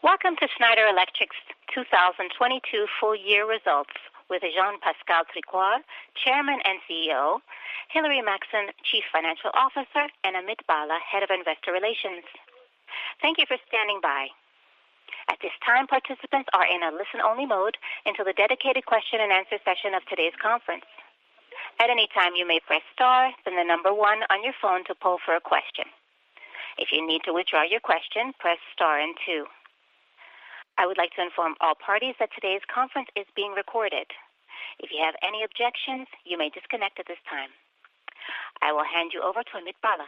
Welcome to Schneider Electric's 2022 full year results with Jean-Pascal Tricoire, Chairman and CEO, Hilary Maxson, Chief Financial Officer, and Amit Bhalla, Head of Investor Relations. Thank you for standing by. At this time, participants are in a listen-only mode until the dedicated question-and-answer session of today's conference. At any time, you may press star then the number one on your phone to poll for a question. If you need to withdraw your question, press star and two. I would like to inform all parties that today's conference is being recorded. If you have any objections, you may disconnect at this time. I will hand you over to Amit Bhalla.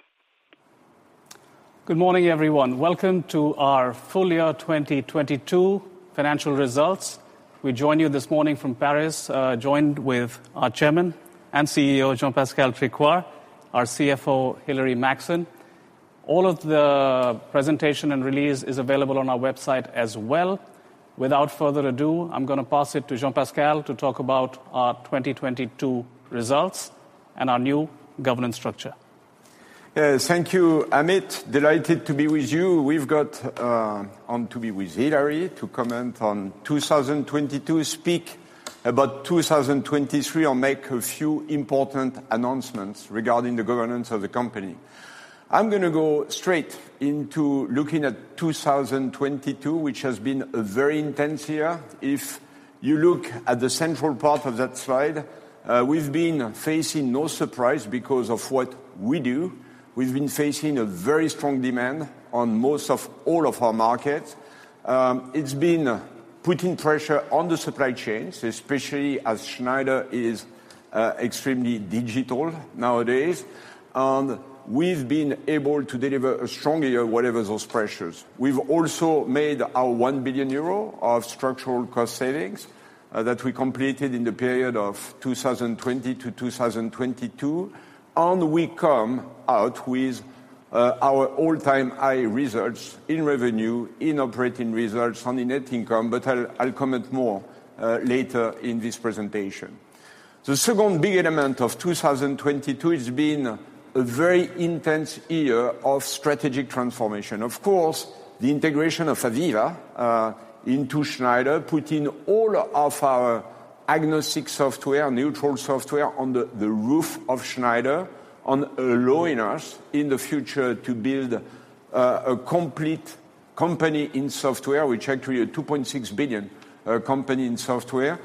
Good morning, everyone. Welcome to our full year 2022 financial results. We join you this morning from Paris, joined with our Chairman and CEO, Jean-Pascal Tricoire, our CFO, Hilary Maxson. All of the presentation and release is available on our website as well. Without further ado, I'm gonna pass it to Jean-Pascal to talk about our 2022 results and our new governance structure. Thank you, Amit. Delighted to be with you. We've got to be with Hilary Maxson to comment on 2022, speak about 2023, and make a few important announcements regarding the governance of the company. I'm gonna go straight into looking at 2022, which has been a very intense year. If you look at the central part of that slide, we've been facing no surprise because of what we do. We've been facing a very strong demand on most of all of our markets. It's been putting pressure on the supply chains, especially as Schneider Electric is extremely digital nowadays. We've been able to deliver a strong year whatever those pressures. We've also made our 1 billion euro of structural cost savings that we completed in the period of 2020-2022. We come out with our all-time high results in revenue, in operating results, on the net income, but I'll comment more later in this presentation. The second big element of 2022, it's been a very intense year of strategic transformation. Of course, the integration of AVEVA into Schneider, putting all of our agnostic software, neutral software on the roof of Schneider allowing us in the future to build a complete company in software, which actually a 2.6 billion company in software.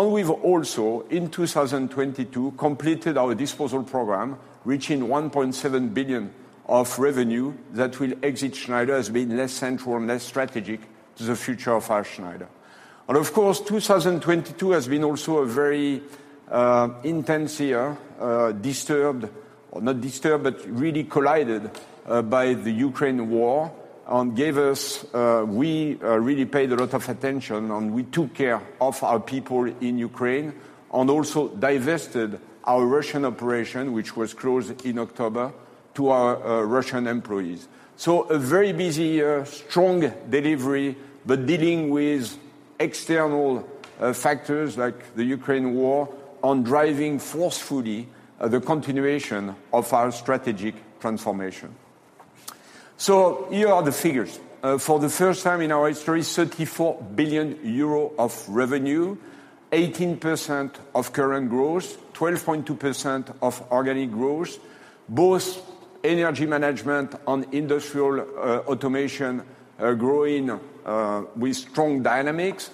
We've also, in 2022, completed our disposal program, reaching 1.7 billion of revenue that will exit Schneider as being less central and less strategic to the future of our Schneider. Of course, 2022 has been also a very intense year, disturbed or not disturbed, but really collided by the Ukraine War and gave us. We really paid a lot of attention, and we took care of our people in Ukraine and also divested our Russian operation, which was closed in October, to our Russian employees. A very busy year, strong delivery, but dealing with external factors like the Ukraine War on driving forcefully the continuation of our strategic transformation. Here are the figures. For the first time in our history, 34 billion euro of revenue, 18% of current growth, 12.2% of organic growth. Both energy management and industrial automation are growing with strong dynamics.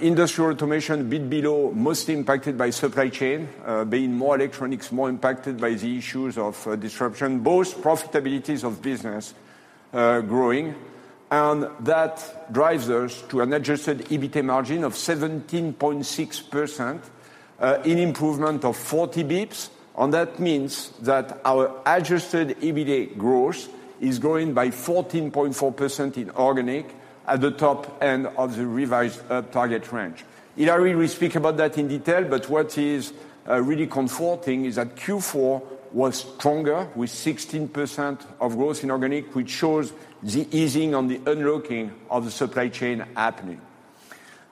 Industrial automation bit below, most impacted by supply chain, being more electronics, more impacted by the issues of disruption. Both profitabilities of business growing. That drives us to an adjusted EBITA margin of 17.6%, an improvement of 40 basis points, that means that our adjusted EBITA growth is growing by 14.4% in organic at the top end of the revised target range. Hilary will speak about that in detail, what is really comforting is that Q4 was stronger with 16% of growth in organic, which shows the easing and the unblocking of the supply chain happening.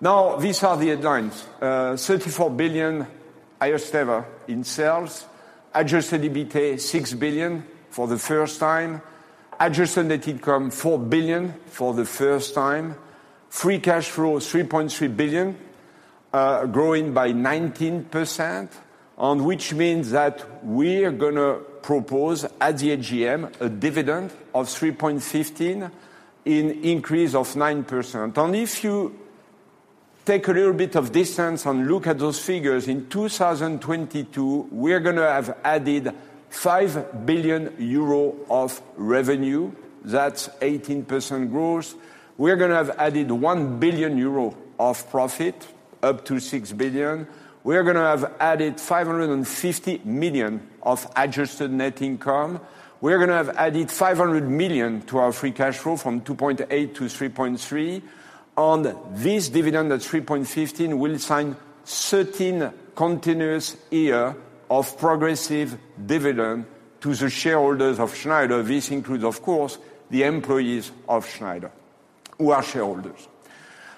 These are the highlights. 34 billion, highest ever in sales. Adjusted EBITA, 6 billion for the first time. Adjusted net income, 4 billion for the first time. Free cash flow, 3.3 billion, growing by 19%. Which means that we are gonna propose at the AGM a dividend of 3.15, an increase of 9%. If you take a little bit of distance and look at those figures, in 2022, we're gonna have added 5 billion euro of revenue. That's 18% growth. We're gonna have added 1 billion euro of profit, up to 6 billion. We're gonna have added 550 million of adjusted net income. We're gonna have added 500 million to our free cash flow from 2.8 billion to 3.3 billion. This dividend at 3.15 will sign 13 continuous year of progressive dividend to the shareholders of Schneider. This includes, of course, the employees of Schneider who are shareholders.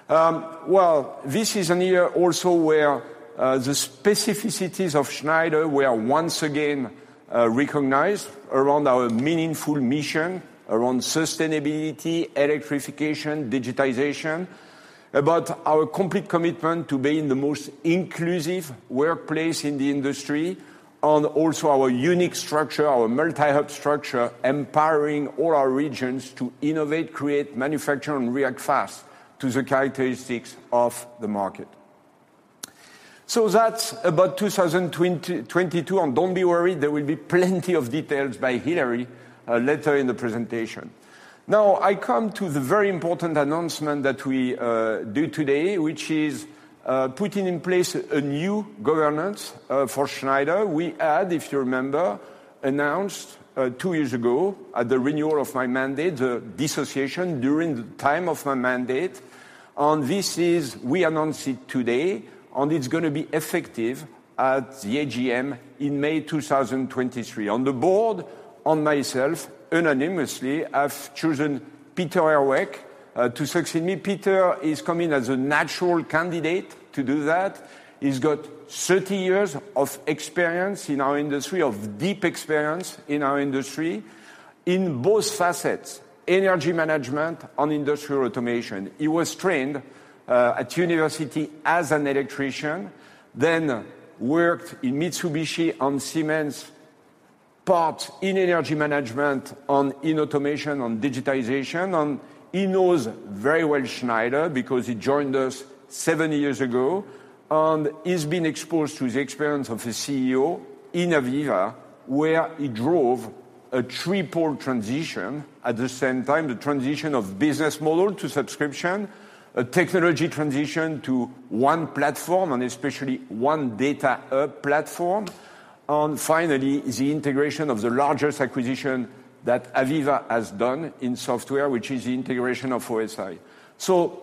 Well, this is a year also where the specificities of Schneider were once again recognized around our meaningful mission, around sustainability, electrification, digitization. About our complete commitment to be in the most inclusive workplace in the industry, and also our unique structure, our multi-hub structure, empowering all our regions to innovate, create, manufacture, and react fast to the characteristics of the market. That's about 2022, and don't be worried, there will be plenty of details by Hilary later in the presentation. I come to the very important announcement that we do today, which is putting in place a new governance for Schneider. We had, if you remember, announced, two years ago at the renewal of my mandate, a dissociation during the time of my mandate. We announce it today, and it's gonna be effective at the AGM in May 2023. On the board and myself, unanimously, I've chosen Peter Herweck to succeed me. Peter is coming as a natural candidate to do that. He's got 30 years of experience in our industry, of deep experience in our industry, in both facets: energy management and industrial automation. He was trained at university as an electrician, then worked in Mitsubishi and Siemens, part in energy management and in automation and digitization. He knows very well Schneider because he joined us 7 years ago, and he's been exposed to the experience of a CEO in AVEVA, where he drove a triple transition at the same time. The transition of business model to subscription, a technology transition to one platform, and especially one data hub platform, and finally, the integration of the largest acquisition that AVEVA has done in software, which is the integration of OSI.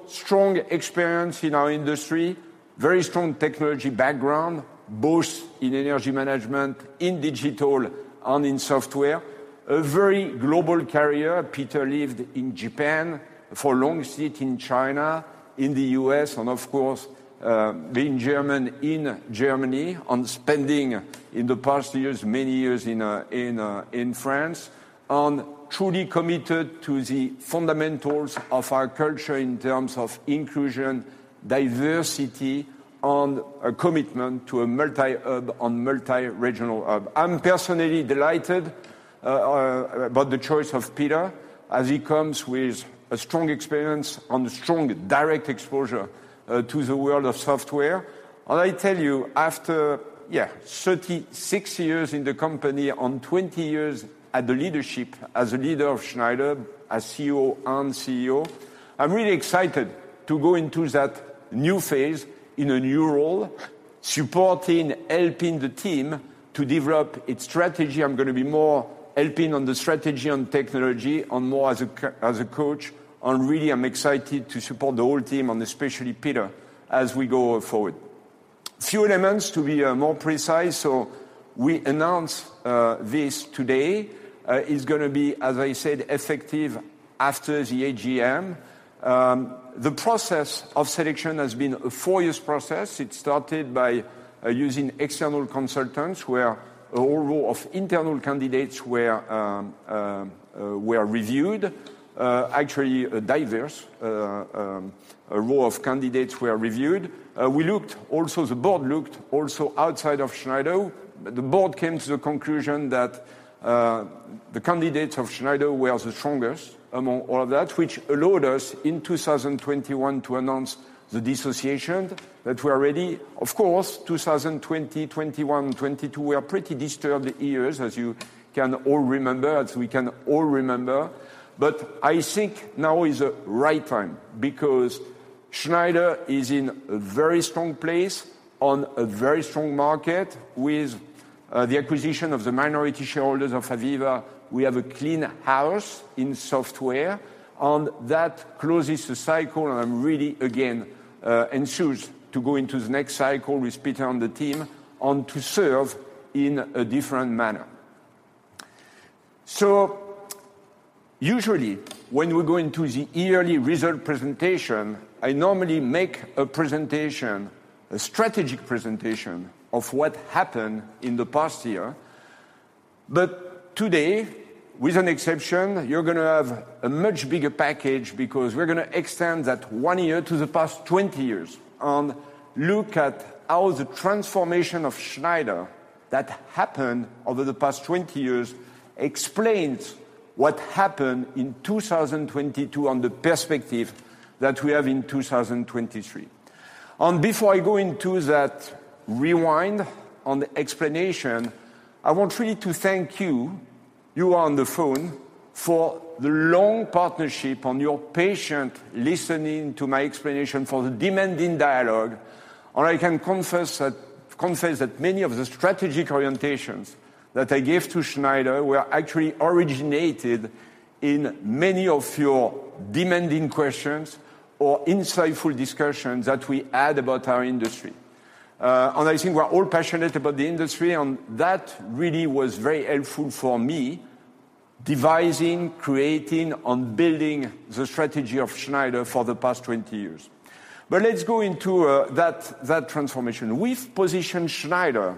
Strong experience in our industry, very strong technology background, both in energy management, in digital, and in software. A very global career. Peter lived in Japan for long, sit in China, in the U.S., and of course, being German, in Germany, and spending in the past years, many years in France, and truly committed to the fundamentals of our culture in terms of inclusion, diversity, and a commitment to a multi-hub and multi-regional hub. I'm personally delighted about the choice of Peter as he comes with a strong experience and a strong direct exposure to the world of software. I tell you, after 36 years in the company and 20 years at the leadership as a leader of Schneider, as CEO and CEO, I'm really excited to go into that new phase in a new role, supporting, helping the team to develop its strategy. I'm gonna be more helping on the strategy on technology and more as a coach, and really, I'm excited to support the whole team, and especially Peter, as we go forward. Few elements to be more precise. We announce this today is gonna be, as I said, effective after the AGM. The process of selection has been a 4-year process. It started by using external consultants, where a whole row of internal candidates were reviewed. Actually a diverse row of candidates were reviewed. We looked also, the board looked also outside of Schneider. The board came to the conclusion that the candidates of Schneider were the strongest among all of that, which allowed us in 2021 to announce the dissociation, that we are ready. Of course, 2020, 2021, 2022 were pretty disturbed years, as you can all remember, as we can all remember. I think now is the right time, because Schneider is in a very strong place on a very strong market. With the acquisition of the minority shareholders of AVEVA, we have a clean house in software, and that closes the cycle, and I'm really, again, enthused to go into the next cycle with Peter and the team and to serve in a different manner. Usually, when we go into the yearly result presentation, I normally make a presentation, a strategic presentation of what happened in the past year. Today, with an exception, you're gonna have a much bigger package because we're gonna extend that one year to the past 20 years and look at how the transformation of Schneider that happened over the past 20 years explains what happened in 2022 and the perspective that we have in 2023. Before I go into that rewind and explanation, I want really to thank you on the phone, for the long partnership and your patient listening to my explanation for the demanding dialogue. I can confess that many of the strategic orientations that I gave to Schneider were actually originated in many of your demanding questions or insightful discussions that we had about our industry. I think we're all passionate about the industry and that really was very helpful for me. Devising, creating, and building the strategy of Schneider for the past 20 years. Let's go into that transformation. We've positioned Schneider,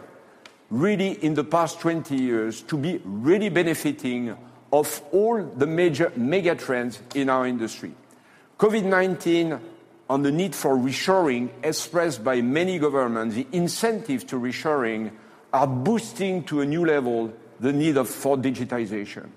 really in the past 20 years, to be really benefiting of all the major megatrends in our industry. COVID-19 and the need for reshoring expressed by many governments, the incentives to reshoring are boosting to a new level the need for digitization.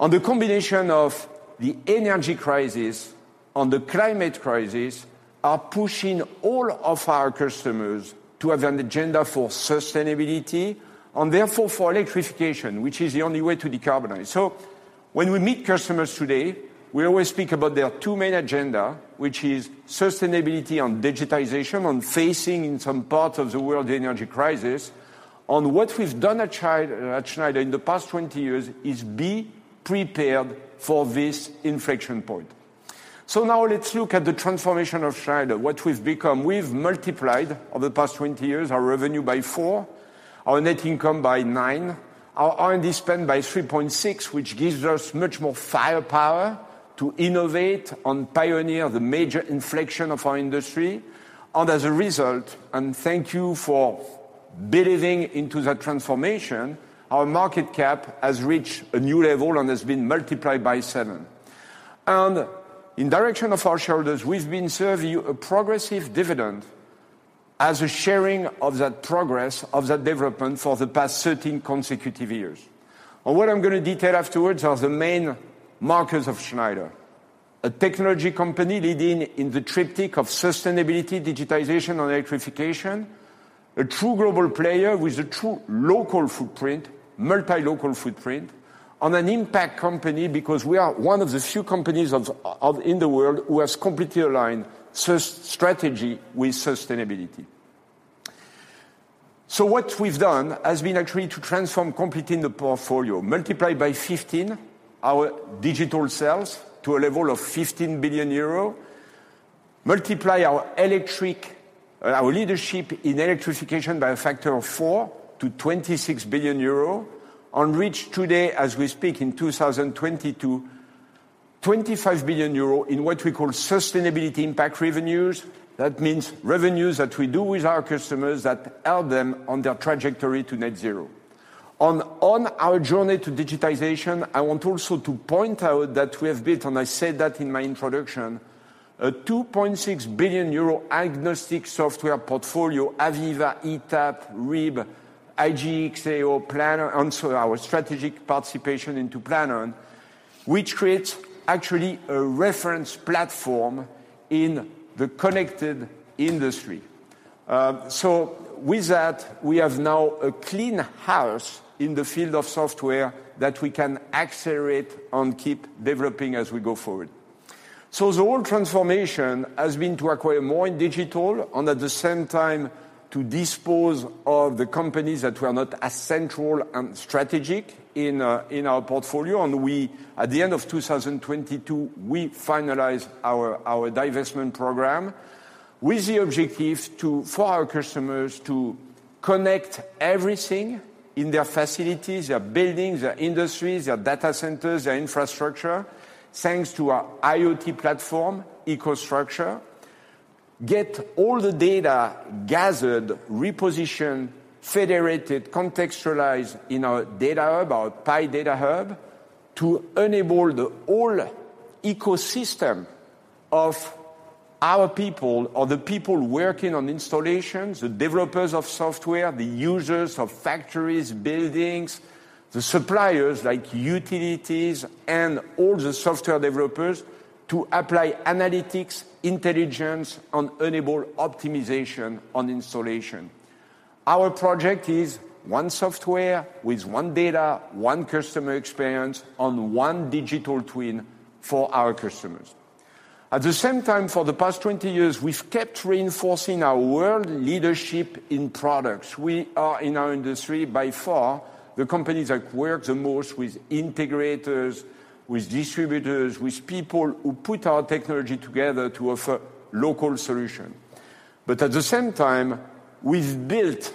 The combination of the energy crisis and the climate crisis are pushing all of our customers to have an agenda for sustainability, and therefore for electrification, which is the only way to decarbonize. When we meet customers today, we always speak about their two main agenda, which is sustainability and digitization, and facing in some parts of the world the energy crisis. What we've done at Schneider in the past 20 years is be prepared for this inflection point. Now let's look at the transformation of Schneider, what we've become. We've multiplied over the past 20 years our revenue by 4, our net income by 9, our R&D spend by 3.6 which gives us much more firepower to innovate and pioneer the major inflection of our industry. As a result, and thank you for believing into that transformation, our market cap has reached a new level and has been multiplied by 7. In direction of our shareholders, we've been serving you a progressive dividend as a sharing of that progress, of that development for the past 13 consecutive years. What I'm gonna detail afterwards are the main markers of Schneider. A technology company leading in the triptych of sustainability, digitization, and electrification. A true global player with a true local footprint, multi-local footprint. An impact company because we are one of the few companies in the world who has completely aligned strategy with sustainability. What we've done has been actually to transform completely the portfolio. Multiply by 15 our digital sales to a level of 15 billion euro. Multiply our leadership in electrification by a factor of 4 to 26 billion euro, and reach today, as we speak in 2022, 25 billion euro in what we call sustainability impact revenues. That means revenues that we do with our customers that help them on their trajectory to net zero. On our journey to digitization, I want also to point out that we have built, and I said that in my introduction, a 2.6 billion euro agnostic software portfolio, AVEVA, ETAP, RIB, IGE+XAO, Planon, our strategic participation into Planon, which creates actually a reference platform in the connected industry. With that, we have now a clean house in the field of software that we can accelerate and keep developing as we go forward. The whole transformation has been to acquire more in digital and at the same time to dispose of the companies that were not as central and strategic in our portfolio. We, at the end of 2022, we finalized our divestment program with the objective to, for our customers to connect everything in their facilities, their buildings, their industries, their data centers, their infrastructure, thanks to our IoT platform, EcoStruxure. Get all the data gathered, repositioned, federated, contextualized in our data hub, our PI Data Hub, to enable the whole ecosystem of our people or the people working on installations, the developers of software, the users of factories, buildings, the suppliers like utilities and all the software developers to apply analytics, intelligence, and enable optimization on installation. Our project is one software with one data, one customer experience, and one digital twin for our customers. At the same time, for the past 20 years, we've kept reinforcing our world leadership in products. We are in our industry by far the company that works the most with integrators, with distributors, with people who put our technology together to offer local solution. At the same time, we've built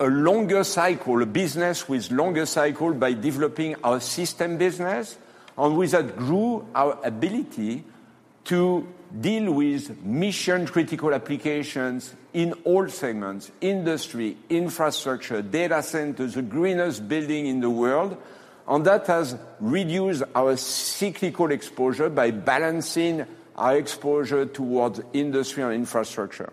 a longer cycle, a business with longer cycle by developing our system business, and with that grew our ability to deal with mission-critical applications in all segments, industry, infrastructure, data centers, the greenest building in the world. That has reduced our cyclical exposure by balancing our exposure towards industry and infrastructure.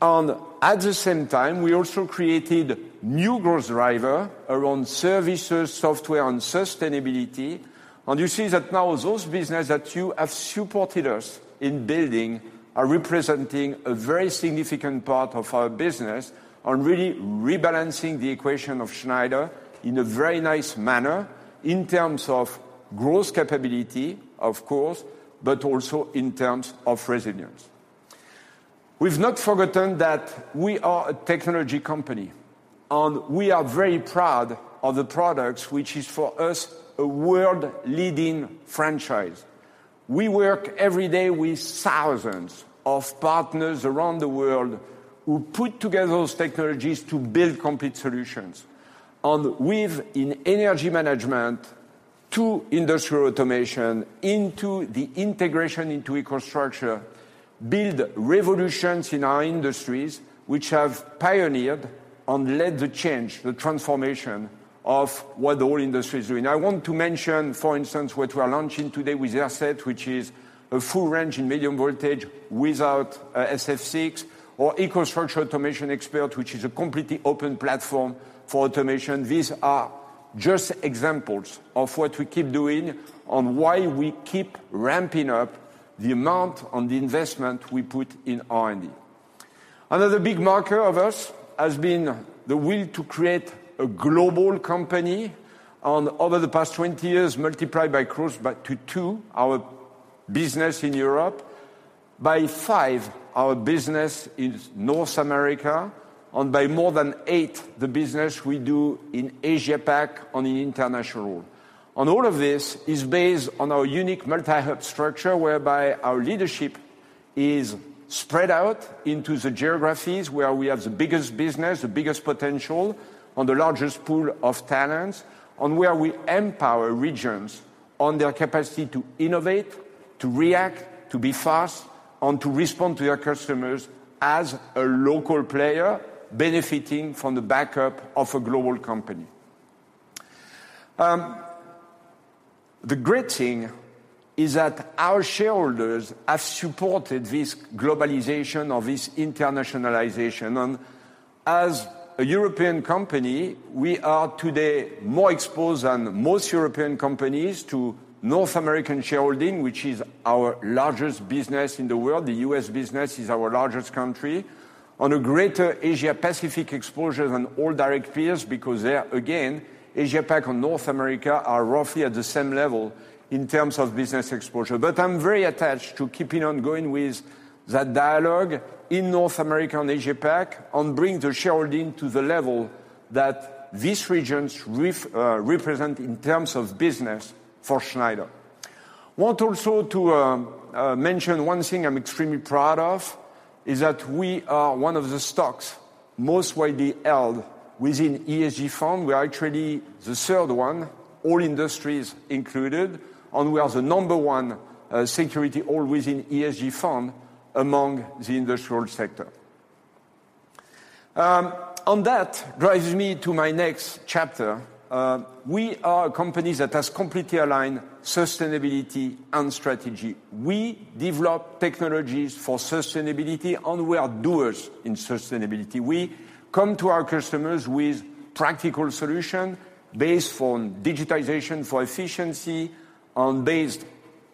At the same time, we also created new growth driver around services, software, and sustainability. You see that now those business that you have supported us in building are representing a very significant part of our business and really rebalancing the equation of Schneider in a very nice manner in terms of growth capability, of course, but also in terms of resilience. We've not forgotten that we are a technology company, and we are very proud of the products which is for us a world-leading franchise. We work every day with thousands of partners around the world who put together those technologies to build complete solutions. With in energy management to industrial automation into the integration into EcoStruxure, build revolutions in our industries which have pioneered and led the change, the transformation of what the whole industry is doing. I want to mention, for instance, what we are launching today with AirSeT, which is a full range in medium voltage without SF6 or EcoStruxure Automation Expert, which is a completely open platform for automation. These are just examples of what we keep doing and why we keep ramping up the amount and the investment we put in R&D. Another big marker of us has been the will to create a global company. Over the past 20 years, multiplied by close by to 2 our business in Europe, by 5 our business in North America, and by more than 8 the business we do in Asia Pac on an international role. All of this is based on our unique multi-hub structure, whereby our leadership is spread out into the geographies where we have the biggest business, the biggest potential, and the largest pool of talents, and where we empower regions on their capacity to innovate, to react, to be fast, and to respond to their customers as a local player benefiting from the backup of a global company. The great thing is that our shareholders have supported this globalization or this internationalization. As a European company, we are today more exposed than most European companies to North American shareholding, which is our largest business in the world. The U.S. business is our largest country. On a Greater Asia Pacific exposure than all direct peers because there again, Asia Pac and North America are roughly at the same level in terms of business exposure. I'm very attached to keeping on going with that dialogue in North America and Asia Pac and bring the shareholding to the level that these regions represent in terms of business for Schneider. Want also to mention one thing I'm extremely proud of is that we are one of the stocks most widely held within ESG fund. We are actually the third one, all industries included. We are the number one security, all within ESG fund among the industrial sector. That drives me to my next chapter. We are a company that has completely aligned sustainability and strategy. We develop technologies for sustainability, and we are doers in sustainability. We come to our customers with practical solution based on digitization for efficiency and based,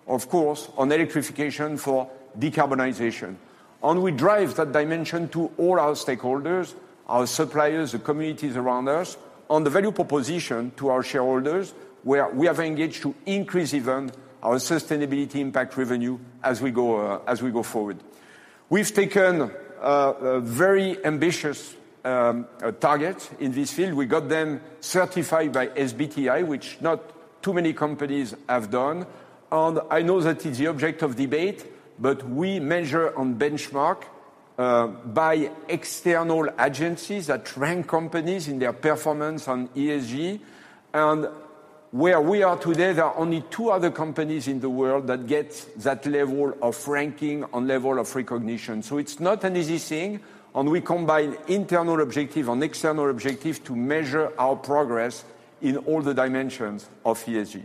of course, on electrification for decarbonization. We drive that dimension to all our stakeholders, our suppliers, the communities around us, and the value proposition to our shareholders, where we have engaged to increase even our sustainability impact revenue as we go forward. We've taken very ambitious target in this field. We got them certified by SBTi, which not too many companies have done. I know that is the object of debate, but we measure on benchmark by external agencies that rank companies in their performance on ESG. Where we are today, there are only two other companies in the world that get that level of ranking and level of recognition. It's not an easy thing, and we combine internal objective and external objective to measure our progress in all the dimensions of ESG.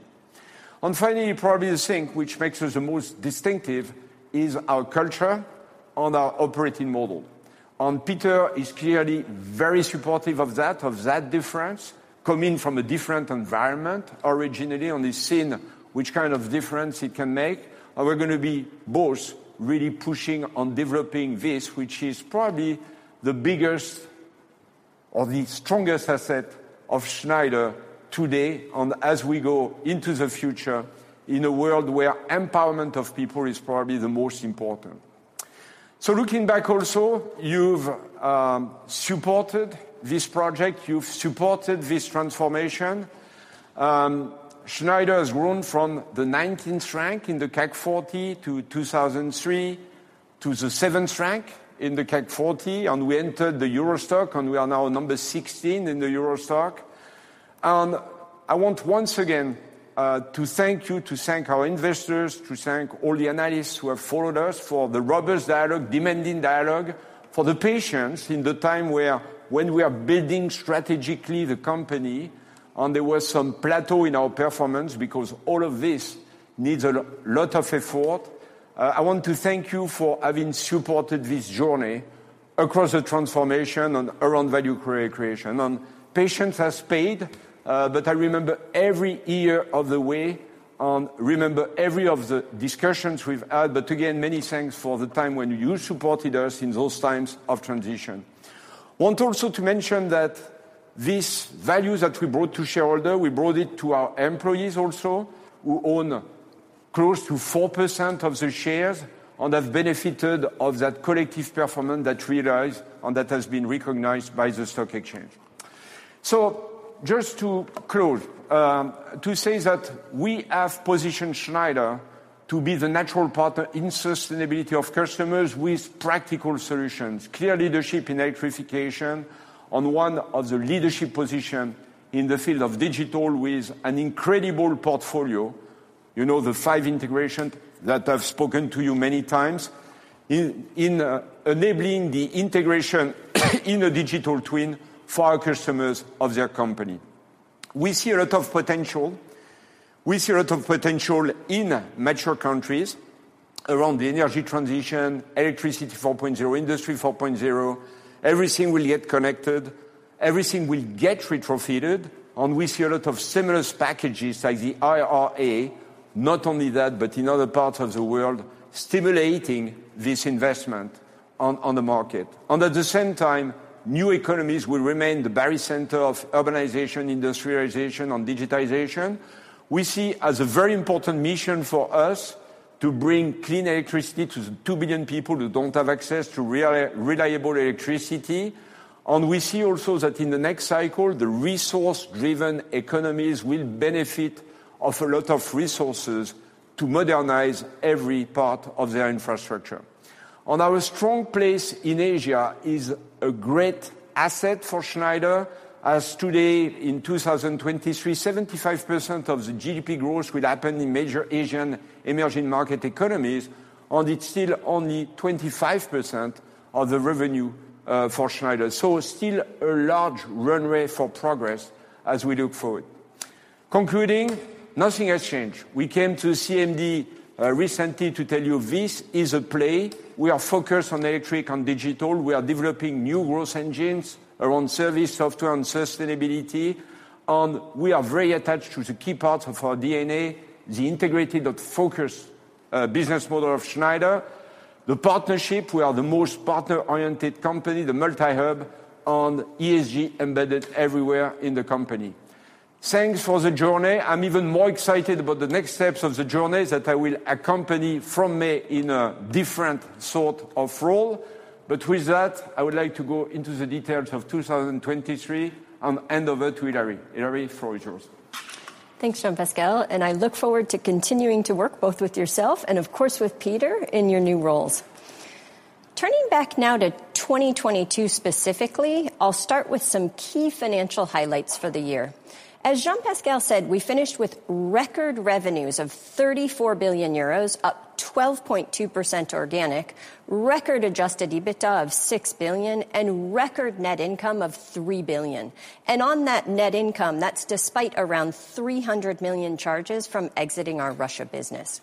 Finally, probably the thing which makes us the most distinctive is our culture and our operating model. Peter is clearly very supportive of that, of that difference, coming from a different environment originally, and he's seen which kind of difference it can make. We're gonna be both really pushing on developing this, which is probably the biggest or the strongest asset of Schneider today and as we go into the future in a world where empowerment of people is probably the most important. Looking back also, you've supported this project, you've supported this transformation. Schneider has grown from the 19th rank in the CAC 40 to 2003 to the seventh rank in the CAC 40, and we entered the Euro Stoxx, and we are now number 16 in the Euro Stoxx. I want once again to thank you, to thank our investors, to thank all the analysts who have followed us for the robust dialogue, demanding dialogue, for the patience in the time when we are building strategically the company, and there was some plateau in our performance because all of this needs a lot of effort. I want to thank you for having supported this journey across the transformation and around value creation. Patience has paid, but I remember every year of the way and remember every of the discussions we've had. Again, many thanks for the time when you supported us in those times of transition. Want also to mention that this value that we brought to shareholder, we brought it to our employees also, who own close to 4% of the shares and have benefited of that collective performance that realized and that has been recognized by the stock exchange. Just to close, to say that we have positioned Schneider to be the natural partner in sustainability of customers with practical solutions, clear leadership in electrification on one of the leadership position in the field of digital with an incredible portfolio, you know, the five integration that I've spoken to you many times in enabling the integration in a digital twin for our customers of their company. We see a lot of potential. We see a lot of potential in mature countries around the energy transition, Electricity 4.0, Industry 4.0. Everything will get connected, everything will get retrofitted, we see a lot of similar packages like the IRA, not only that, but in other parts of the world, stimulating this investment on the market. At the same time, new economies will remain the very center of urbanization, industrialization, and digitization. We see as a very important mission for us to bring clean electricity to the 2 billion people who don't have access to reliable electricity. We see also that in the next cycle, the resource-driven economies will benefit of a lot of resources to modernize every part of their infrastructure. Our strong place in Asia is a great asset for Schneider, as today in 2023, 75% of the GDP growth will happen in major Asian emerging market economies, and it's still only 25% of the revenue for Schneider. Still a large runway for progress as we look forward. Concluding, nothing has changed. We came to CMD recently to tell you this is a play. We are focused on electric and digital. We are developing new growth engines around service, software, and sustainability. We are very attached to the key parts of our DNA, the integrated but focused business model of Schneider. The partnership, we are the most partner-oriented company, the multi-hub, and ESG embedded everywhere in the company. Thanks for the journey. I'm even more excited about the next steps of the journey that I will accompany from May in a different sort of role. With that, I would like to go into the details of 2023 and hand over to Hilary. Hilary, the floor is yours. Thanks, Jean-Pascal. I look forward to continuing to work both with yourself and of course with Peter in your new roles. Turning back now to 2022 specifically, I'll start with some key financial highlights for the year. As Jean-Pascal said, we finished with record revenues of 34 billion euros, up 12.2% organic, record adjusted EBITA of 6 billion, and record net income of 3 billion. On that net income, that's despite around 300 million charges from exiting our Russia business.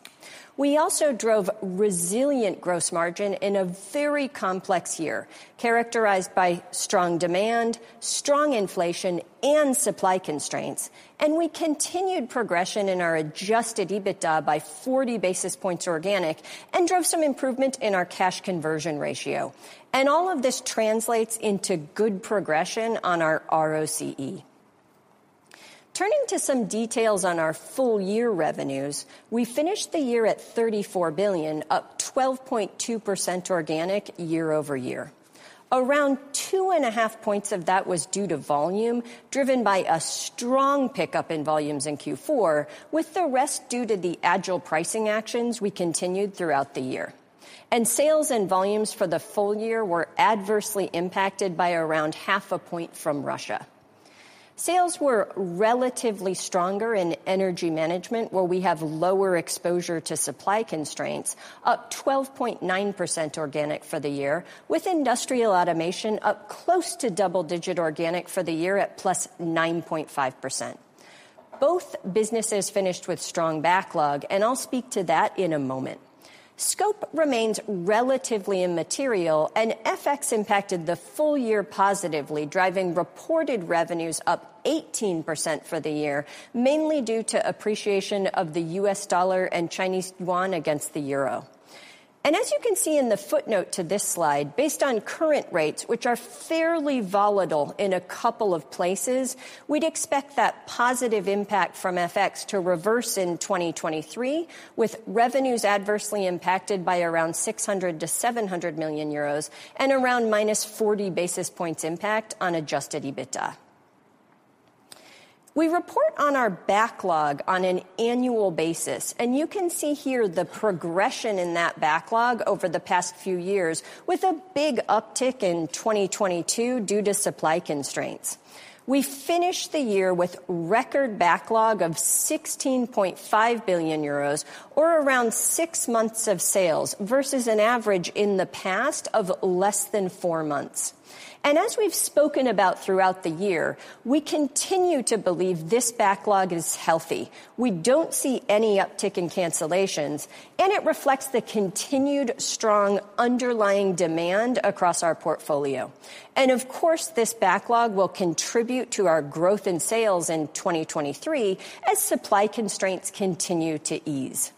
We also drove resilient gross margin in a very complex year, characterized by strong demand, strong inflation, and supply constraints. We continued progression in our adjusted EBITA by 40 basis points organic and drove some improvement in our cash conversion ratio. All of this translates into good progression on our ROCE. Turning to some details on our full year revenues, we finished the year at 34 billion, up 12.2% organic year-over-year. Around 2.5 points of that was due to volume, driven by a strong pickup in volumes in Q4, with the rest due to the agile pricing actions we continued throughout the year. Sales and volumes for the full year were adversely impacted by around 0.5 points from Russia. Sales were relatively stronger in Energy Management, where we have lower exposure to supply constraints, up 12.9% organic for the year, with Industrial Automation up close to double-digit organic for the year at +9.5%. Both businesses finished with strong backlog, and I'll speak to that in a moment. Scope remains relatively immaterial. FX impacted the full year positively, driving reported revenues up 18% for the year, mainly due to appreciation of the U.S. dollar and Chinese yuan against the euro. As you can see in the footnote to this slide, based on current rates, which are fairly volatile in a couple of places, we'd expect that positive impact from FX to reverse in 2023, with revenues adversely impacted by around 600 million-700 million euros and around -40 basis points impact on adjusted EBITA. We report on our backlog on an annual basis. You can see here the progression in that backlog over the past few years with a big uptick in 2022 due to supply constraints. We finished the year with record backlog of 16.5 billion euros or around six months of sales versus an average in the past of less than four months. As we've spoken about throughout the year, we continue to believe this backlog is healthy. We don't see any uptick in cancellations, it reflects the continued strong underlying demand across our portfolio. Of course, this backlog will contribute to our growth in sales in 2023 as supply constraints continue to ease.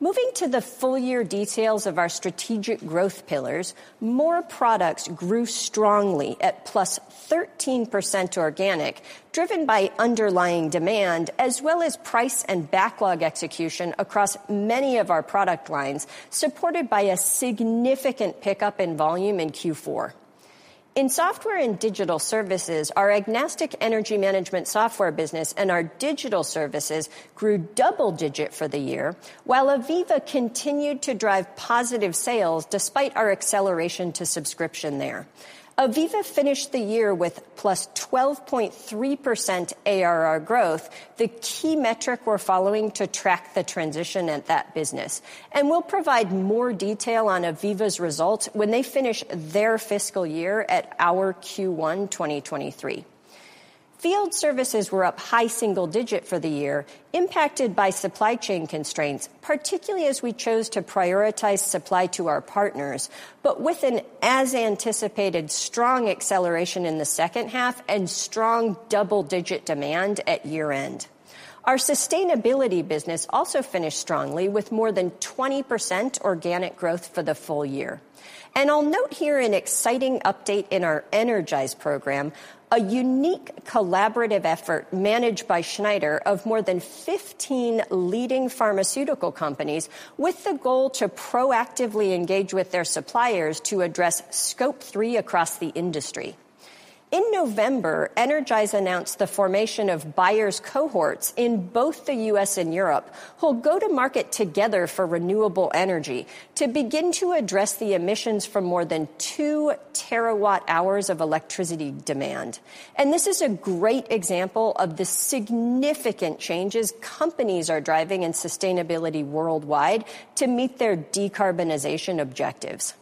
Moving to the full year details of our strategic growth pillars, more products grew strongly at +13% organic, driven by underlying demand as well as price and backlog execution across many of our product lines, supported by a significant pickup in volume in Q4. In software and digital services, our agnostic energy management software business and our digital services grew double digit for the year, while AVEVA continued to drive positive sales despite our acceleration to subscription there. AVEVA finished the year with +12.3% ARR growth, the key metric we're following to track the transition at that business. We'll provide more detail on AVEVA's results when they finish their fiscal year at our Q1 2023. Field services were up high single-digit for the year, impacted by supply chain constraints, particularly as we chose to prioritize supply to our partners, with an as-anticipated strong acceleration in the second half and strong double-digit demand at year-end. Our sustainability business also finished strongly with more than 20% organic growth for the full year. I'll note here an exciting update in our Energize program, a unique collaborative effort managed by Schneider of more than 15 leading pharmaceutical companies with the goal to proactively engage with their suppliers to address Scope 3 across the industry. In November, Energize announced the formation of buyers cohorts in both the U.S. and Europe, who'll go to market together for renewable energy to begin to address the emissions from more than two terawatt-hours of electricity demand. This is a great example of the significant changes companies are driving in sustainability worldwide to meet their decarbonization objectives.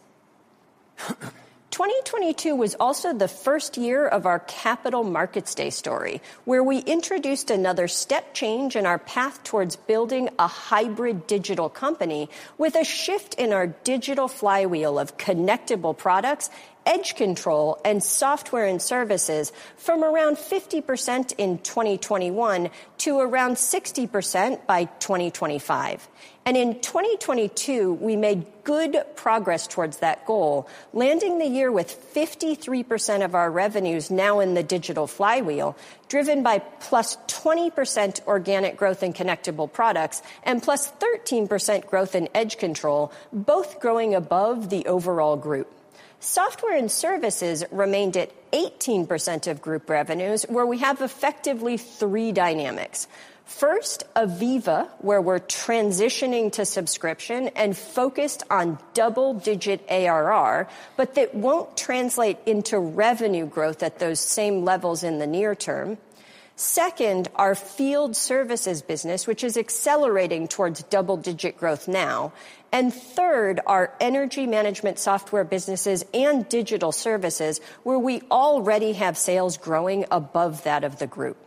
2022 was also the first year of our Capital Markets Day story, where we introduced another step change in our path towards building a hybrid digital company with a shift in our Digital Flywheel of connectable products, Edge Control, and software and services from around 50% in 2021 to around 60% by 2025. In 2022, we made good progress towards that goal, landing the year with 53% of our revenues now in the Digital Flywheel, driven by +20% organic growth in connectable products and +13% growth in Edge Control, both growing above the overall group. Software and services remained at 18% of group revenues, where we have effectively three dynamics. First, AVEVA, where we're transitioning to subscription and focused on double-digit ARR, that won't translate into revenue growth at those same levels in the near term. Second, our field services business, which is accelerating towards double-digit growth now. Third, our energy management software businesses and digital services, where we already have sales growing above that of the group.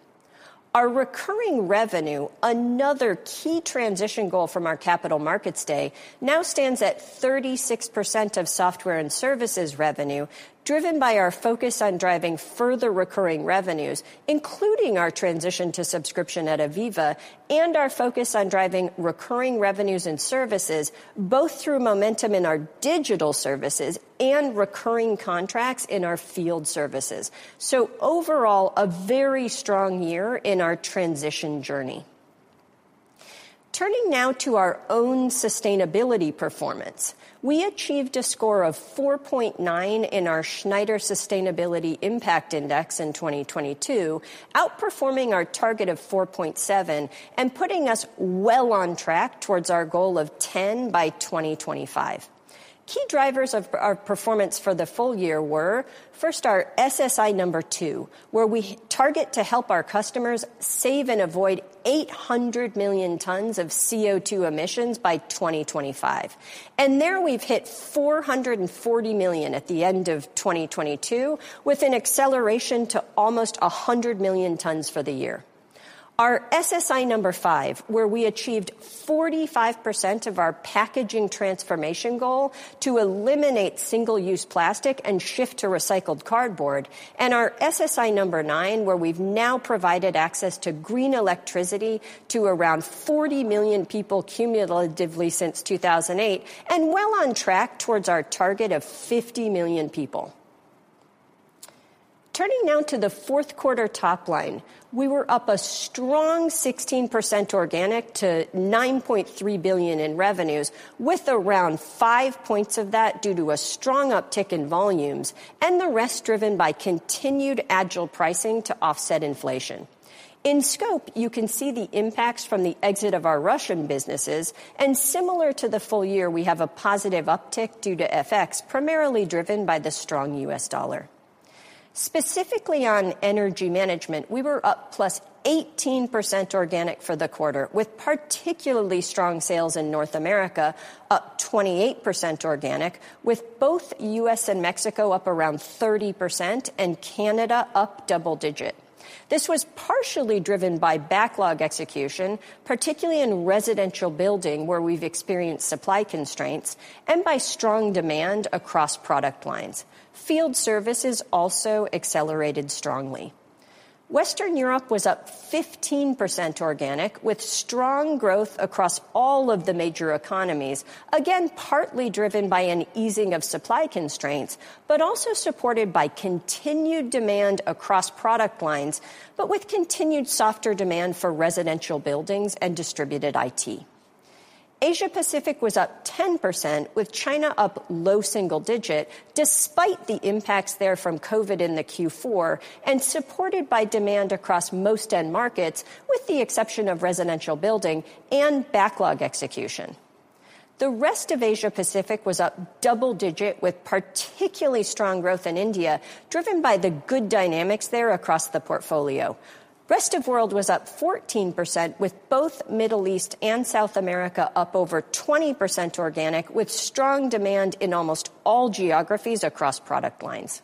Our recurring revenue, another key transition goal from our Capital Markets Day, now stands at 36% of software and services revenue, driven by our focus on driving further recurring revenues, including our transition to subscription at AVEVA and our focus on driving recurring revenues and services, both through momentum in our digital services and recurring contracts in our field services. Overall, a very strong year in our transition journey. Turning now to our own sustainability performance, we achieved a score of 4.9 in our Schneider Sustainability Impact in 2022, outperforming our target of 4.7 and putting us well on track towards our goal of 10 by 2025. Key drivers of our performance for the full year were, first, our SSI number 2, where we target to help our customers save and avoid 800 million tons of CO₂ emissions by 2025. There we've hit 440 million at the end of 2022, with an acceleration to almost 100 million tons for the year. Our SSI number 5, where we achieved 45% of our packaging transformation goal to eliminate single-use plastic and shift to recycled cardboard, and our SSI number 9, where we've now provided access to green electricity to around 40 million people cumulatively since 2008, well on track towards our target of 50 million people. Turning now to the fourth quarter top line, we were up a strong 16% organic to 9.3 billion in revenues, with around 5 points of that due to a strong uptick in volumes and the rest driven by continued agile pricing to offset inflation. In scope, you can see the impacts from the exit of our Russian businesses. Similar to the full year, we have a positive uptick due to FX, primarily driven by the strong U.S. dollar. Specifically on energy management, we were up +18% organic for the quarter, with particularly strong sales in North America, up 28% organic, with both U.S. and Mexico up around 30% and Canada up double-digit. This was partially driven by backlog execution, particularly in residential building, where we've experienced supply constraints and by strong demand across product lines. Field services also accelerated strongly. Western Europe was up 15% organic, with strong growth across all of the major economies, again, partly driven by an easing of supply constraints, but also supported by continued demand across product lines, but with continued softer demand for residential buildings and distributed IT. Asia Pacific was up 10% with China up low single-digit, despite the impacts there from COVID in the Q4 and supported by demand across most end markets, with the exception of residential building and backlog execution. The rest of Asia Pacific was up double-digit with particularly strong growth in India, driven by the good dynamics there across the portfolio. Rest of World was up 14% with both Middle East and South America up over 20% organic, with strong demand in almost all geographies across product lines.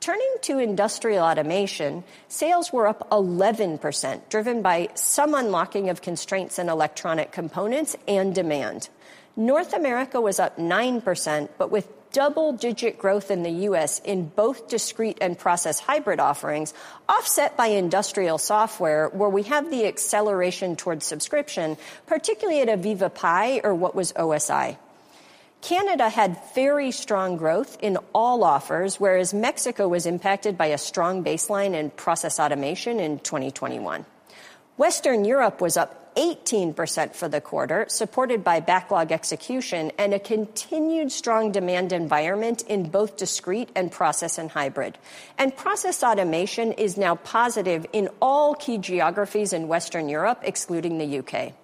Turning to industrial automation, sales were up 11%, driven by some unlocking of constraints in electronic components and demand. North America was up 9%, but with double-digit growth in the U.S. in both discrete and process hybrid offerings, offset by industrial software, where we have the acceleration towards subscription, particularly at AVEVA PI or what was OSI. Canada had very strong growth in all offers, whereas Mexico was impacted by a strong baseline in process automation in 2021. Western Europe was up 18% for the quarter, supported by backlog execution and a continued strong demand environment in both discrete and process and hybrid. Process automation is now positive in all key geographies in Western Europe, excluding the U.K.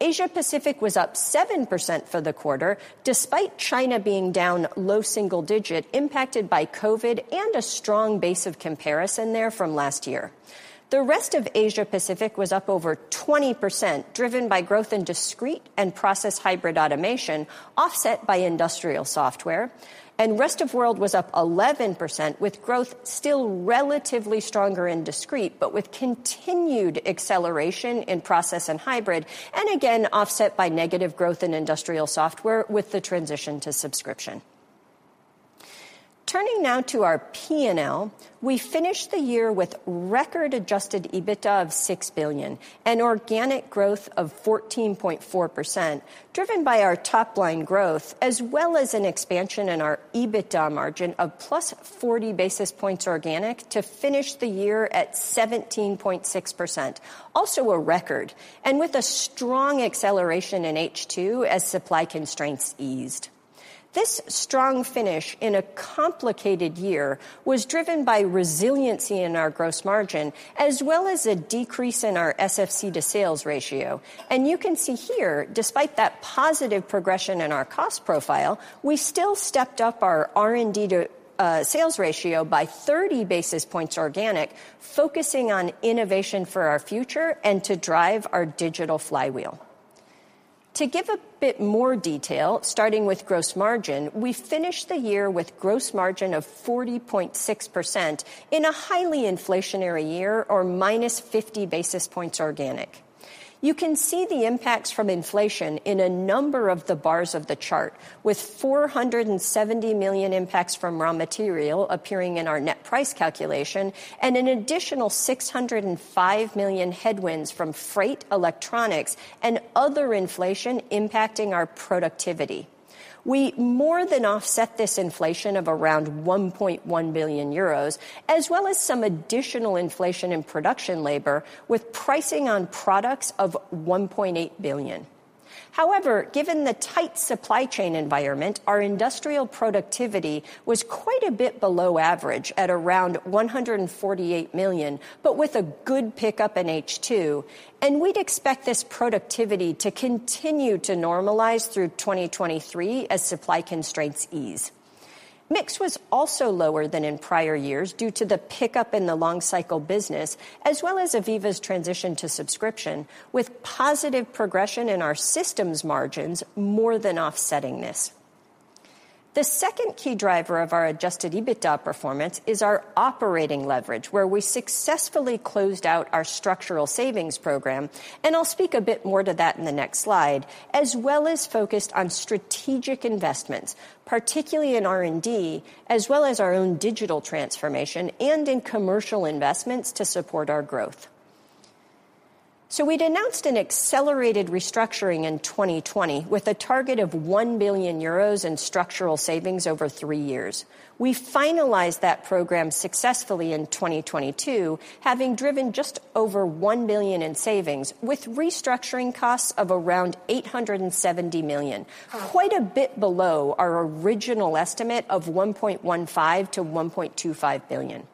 Asia Pacific was up 7% for the quarter, despite China being down low single-digit, impacted by COVID-19 and a strong base of comparison there from last year. The rest of Asia Pacific was up over 20%, driven by growth in discrete and process hybrid automation, offset by industrial software. Rest of world was up 11%, with growth still relatively stronger in discrete, but with continued acceleration in process and hybrid, and again offset by negative growth in industrial software with the transition to subscription. Turning now to our P&L, we finished the year with record adjusted EBITA of 6 billion, an organic growth of 14.4%, driven by our top-line growth as well as an expansion in our EBITA margin of +40 basis points organic to finish the year at 17.6%, also a record, and with a strong acceleration in H2 as supply constraints eased. This strong finish in a complicated year was driven by resiliency in our gross margin, as well as a decrease in our SFC to sales ratio. You can see here, despite that positive progression in our cost profile, we still stepped up our R&D to sales ratio by 30 basis points organic, focusing on innovation for our future and to drive our digital flywheel. To give a bit more detail, starting with gross margin, we finished the year with gross margin of 40.6% in a highly inflationary year or -50 basis points organic. You can see the impacts from inflation in a number of the bars of the chart, with 470 million impacts from raw material appearing in our net price calculation and an additional 605 million headwinds from freight, electronics, and other inflation impacting our productivity. We more than offset this inflation of around 1.1 billion euros, as well as some additional inflation in production labor with pricing on products of 1.8 billion. Given the tight supply chain environment, our industrial productivity was quite a bit below average at around 148 million, but with a good pickup in H2, and we'd expect this productivity to continue to normalize through 2023 as supply constraints ease. Mix was also lower than in prior years due to the pickup in the long cycle business, as well as AVEVA's transition to subscription, with positive progression in our systems margins more than offsetting this. The second key driver of our adjusted EBITDA performance is our operating leverage, where we successfully closed out our structural savings program, and I'll speak a bit more to that in the next slide, as well as focused on strategic investments, particularly in R&D, as well as our own digital transformation and in commercial investments to support our growth. We'd announced an accelerated restructuring in 2020 with a target of 1 billion euros in structural savings over three years. We finalized that program successfully in 2022, having driven just over 1 billion in savings, with restructuring costs of around 870 million, quite a bit below our original estimate of 1.15 billion-1.25 billion.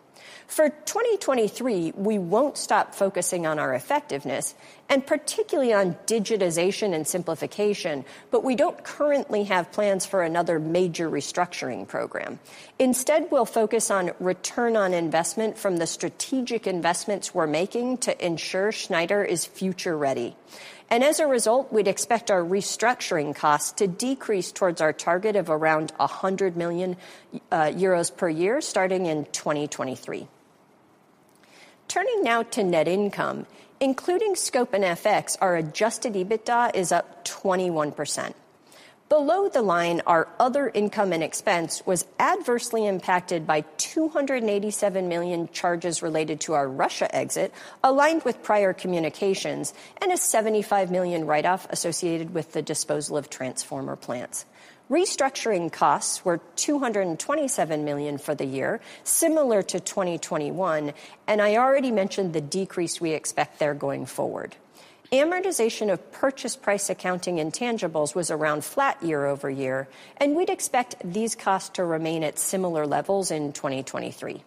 For 2023, we won't stop focusing on our effectiveness and particularly on digitization and simplification, but we don't currently have plans for another major restructuring program. Instead, we'll focus on ROI from the strategic investments we're making to ensure Schneider is future-ready. As a result, we'd expect our restructuring costs to decrease towards our target of around 100 million euros per year starting in 2023. Turning now to net income, including scope and FX, our adjusted EBITA is up 21%. Below the line, our other income and expense was adversely impacted by 287 million charges related to our Russia exit, aligned with prior communications, and a 75 million write-off associated with the disposal of transformer plants. Restructuring costs were 227 million for the year, similar to 2021, and I already mentioned the decrease we expect there going forward. Amortization of purchase price accounting intangibles was around flat year-over-year, and we'd expect these costs to remain at similar levels in 2023.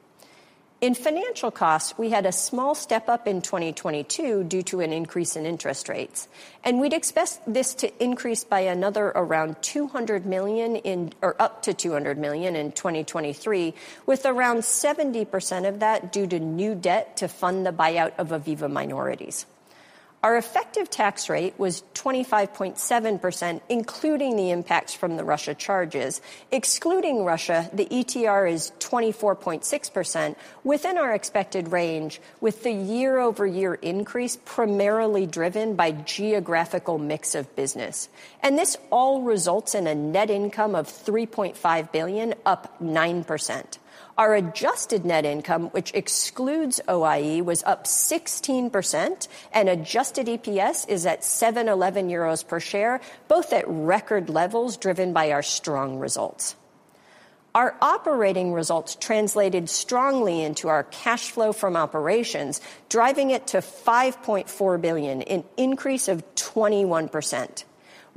In financial costs, we had a small step up in 2022 due to an increase in interest rates, and we'd expect this to increase by another around 200 million in or up to 200 million in 2023, with around 70% of that due to new debt to fund the buyout of AVEVA minorities. Our effective tax rate was 25.7%, including the impacts from the Russia charges. Excluding Russia, the ETR is 24.6% within our expected range, with the year-over-year increase primarily driven by geographical mix of business. This all results in a net income of 3.5 billion, up 9%. Our adjusted net income, which excludes OIE, was up 16% and adjusted EPS is at 7.11 euros per share, both at record levels driven by our strong results. Our operating results translated strongly into our cash flow from operations, driving it to 5.4 billion, an increase of 21%.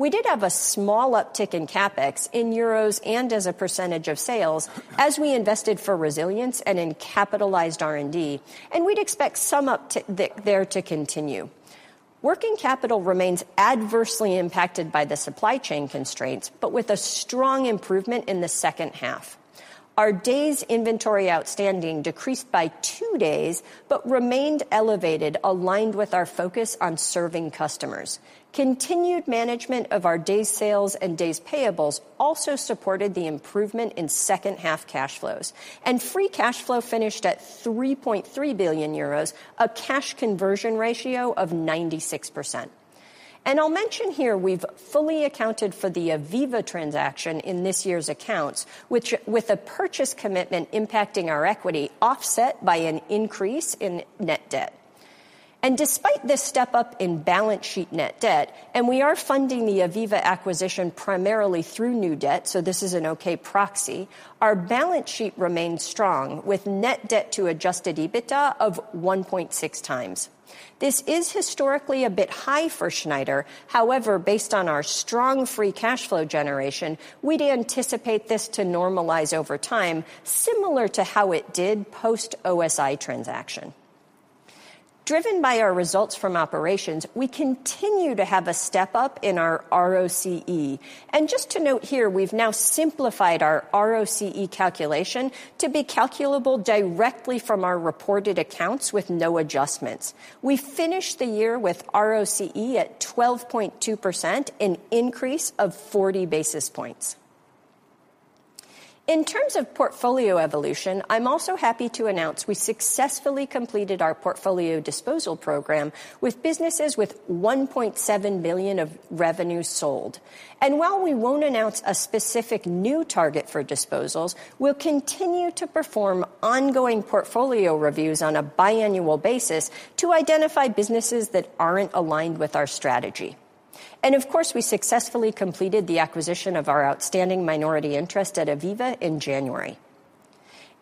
We did have a small uptick in CapEx in euros and as a percentage of sales as we invested for resilience and in capitalized R&D, and we'd expect some uptick there to continue. Working capital remains adversely impacted by the supply chain constraints, but with a strong improvement in the second half. Our days inventory outstanding decreased by two days, but remained elevated, aligned with our focus on serving customers. Continued management of our days sales and days payables also supported the improvement in second half cash flows. Free cash flow finished at 3.3 billion euros, a cash conversion ratio of 96%. I'll mention here we've fully accounted for the AVEVA transaction in this year's accounts, which, with a purchase commitment impacting our equity offset by an increase in net debt. Despite this step up in balance sheet net debt, and we are funding the AVEVA acquisition primarily through new debt, so this is an okay proxy, our balance sheet remains strong, with net debt to adjusted EBITDA of 1.6x. This is historically a bit high for Schneider. However, based on our strong free cash flow generation, we'd anticipate this to normalize over time, similar to how it did post-OSI transaction. Driven by our results from operations, we continue to have a step up in our ROCE. Just to note here, we've now simplified our ROCE calculation to be calculable directly from our reported accounts with no adjustments. We finished the year with ROCE at 12.2%, an increase of 40 basis points. In terms of portfolio evolution, I'm also happy to announce we successfully completed our portfolio disposal program with businesses with 1.7 billion of revenue sold. While we won't announce a specific new target for disposals, we'll continue to perform ongoing portfolio reviews on a biannual basis to identify businesses that aren't aligned with our strategy. Of course, we successfully completed the acquisition of our outstanding minority interest at AVEVA in January.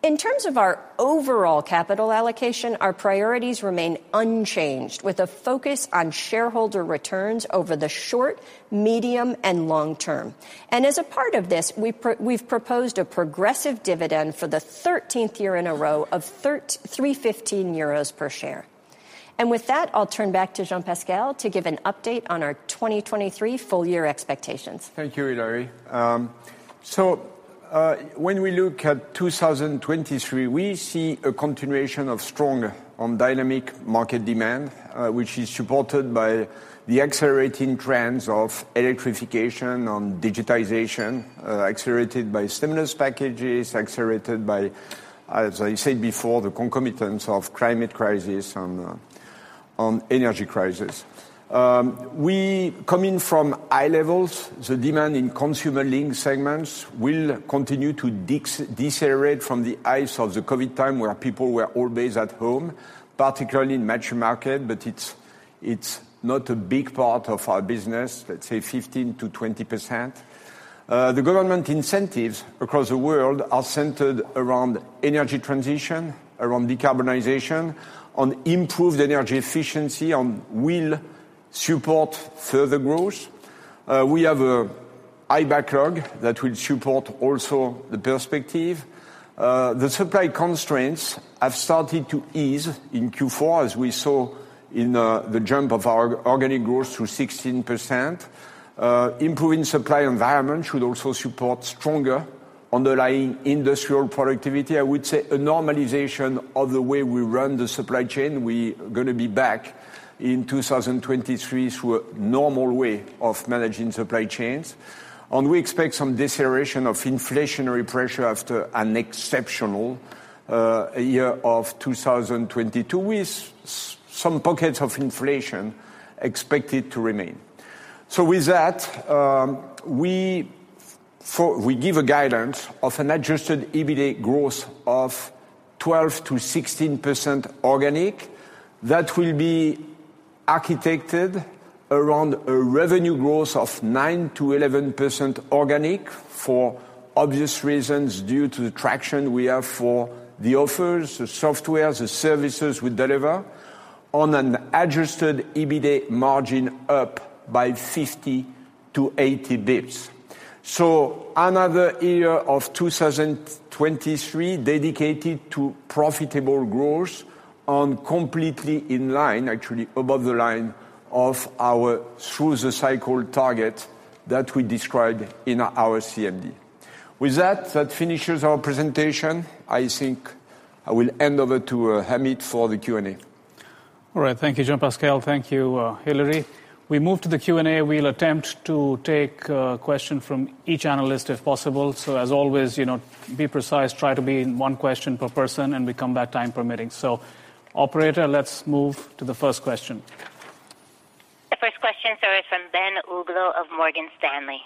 In terms of our overall capital allocation, our priorities remain unchanged, with a focus on shareholder returns over the short, medium, and long term. As a part of this, we've proposed a progressive dividend for the 13th year in a row of 3.15 euros per share. With that, I'll turn back to Jean-Pascal to give an update on our 2023 full year expectations. Thank you, Hilary. When we look at 2023, we see a continuation of strong and dynamic market demand, which is supported by the accelerating trends of electrification and digitization, accelerated by stimulus packages, accelerated by, as I said before, the concomitants of climate crisis and energy crisis. We coming from high levels, the demand in consumer-linked segments will continue to decelerate from the highs of the COVID time where people were always at home, particularly in mature market, but it's not a big part of our business, let's say 15%-20%. The government incentives across the world are centered around energy transition, around decarbonization, on improved energy efficiency, will support further growth. We have a high backlog that will support also the perspective. The supply constraints have started to ease in Q4 as we saw in the jump of organic growth to 16%. Improving supply environment should also support stronger underlying industrial productivity. I would say a normalization of the way we run the supply chain. We gonna be back in 2023 to a normal way of managing supply chains. We expect some deceleration of inflationary pressure after an exceptional year of 2022, with some pockets of inflation expected to remain. With that, we give a guidance of an adjusted EBITA growth of 12%-16% organic that will be architected around a revenue growth of 9%-11% organic for obvious reasons, due to the traction we have for the offers, the softwares, the services we deliver on an adjusted EBITA margin up by 50 to 80 basis points. Another year of 2023 dedicated to profitable growth and completely in line, actually above the line of our through the cycle target that we described in our CMD. With that finishes our presentation. I think I will hand over to Amit for the Q&A. All right. Thank you, Jean-Pascal. Thank you, Hilary. We move to the Q&A. We'll attempt to take question from each analyst if possible. As always, you know, be precise, try to be one question per person, and we come back time permitting. Operator, let's move to the first question. The first question, sir, is from Ben Uglow of Morgan Stanley.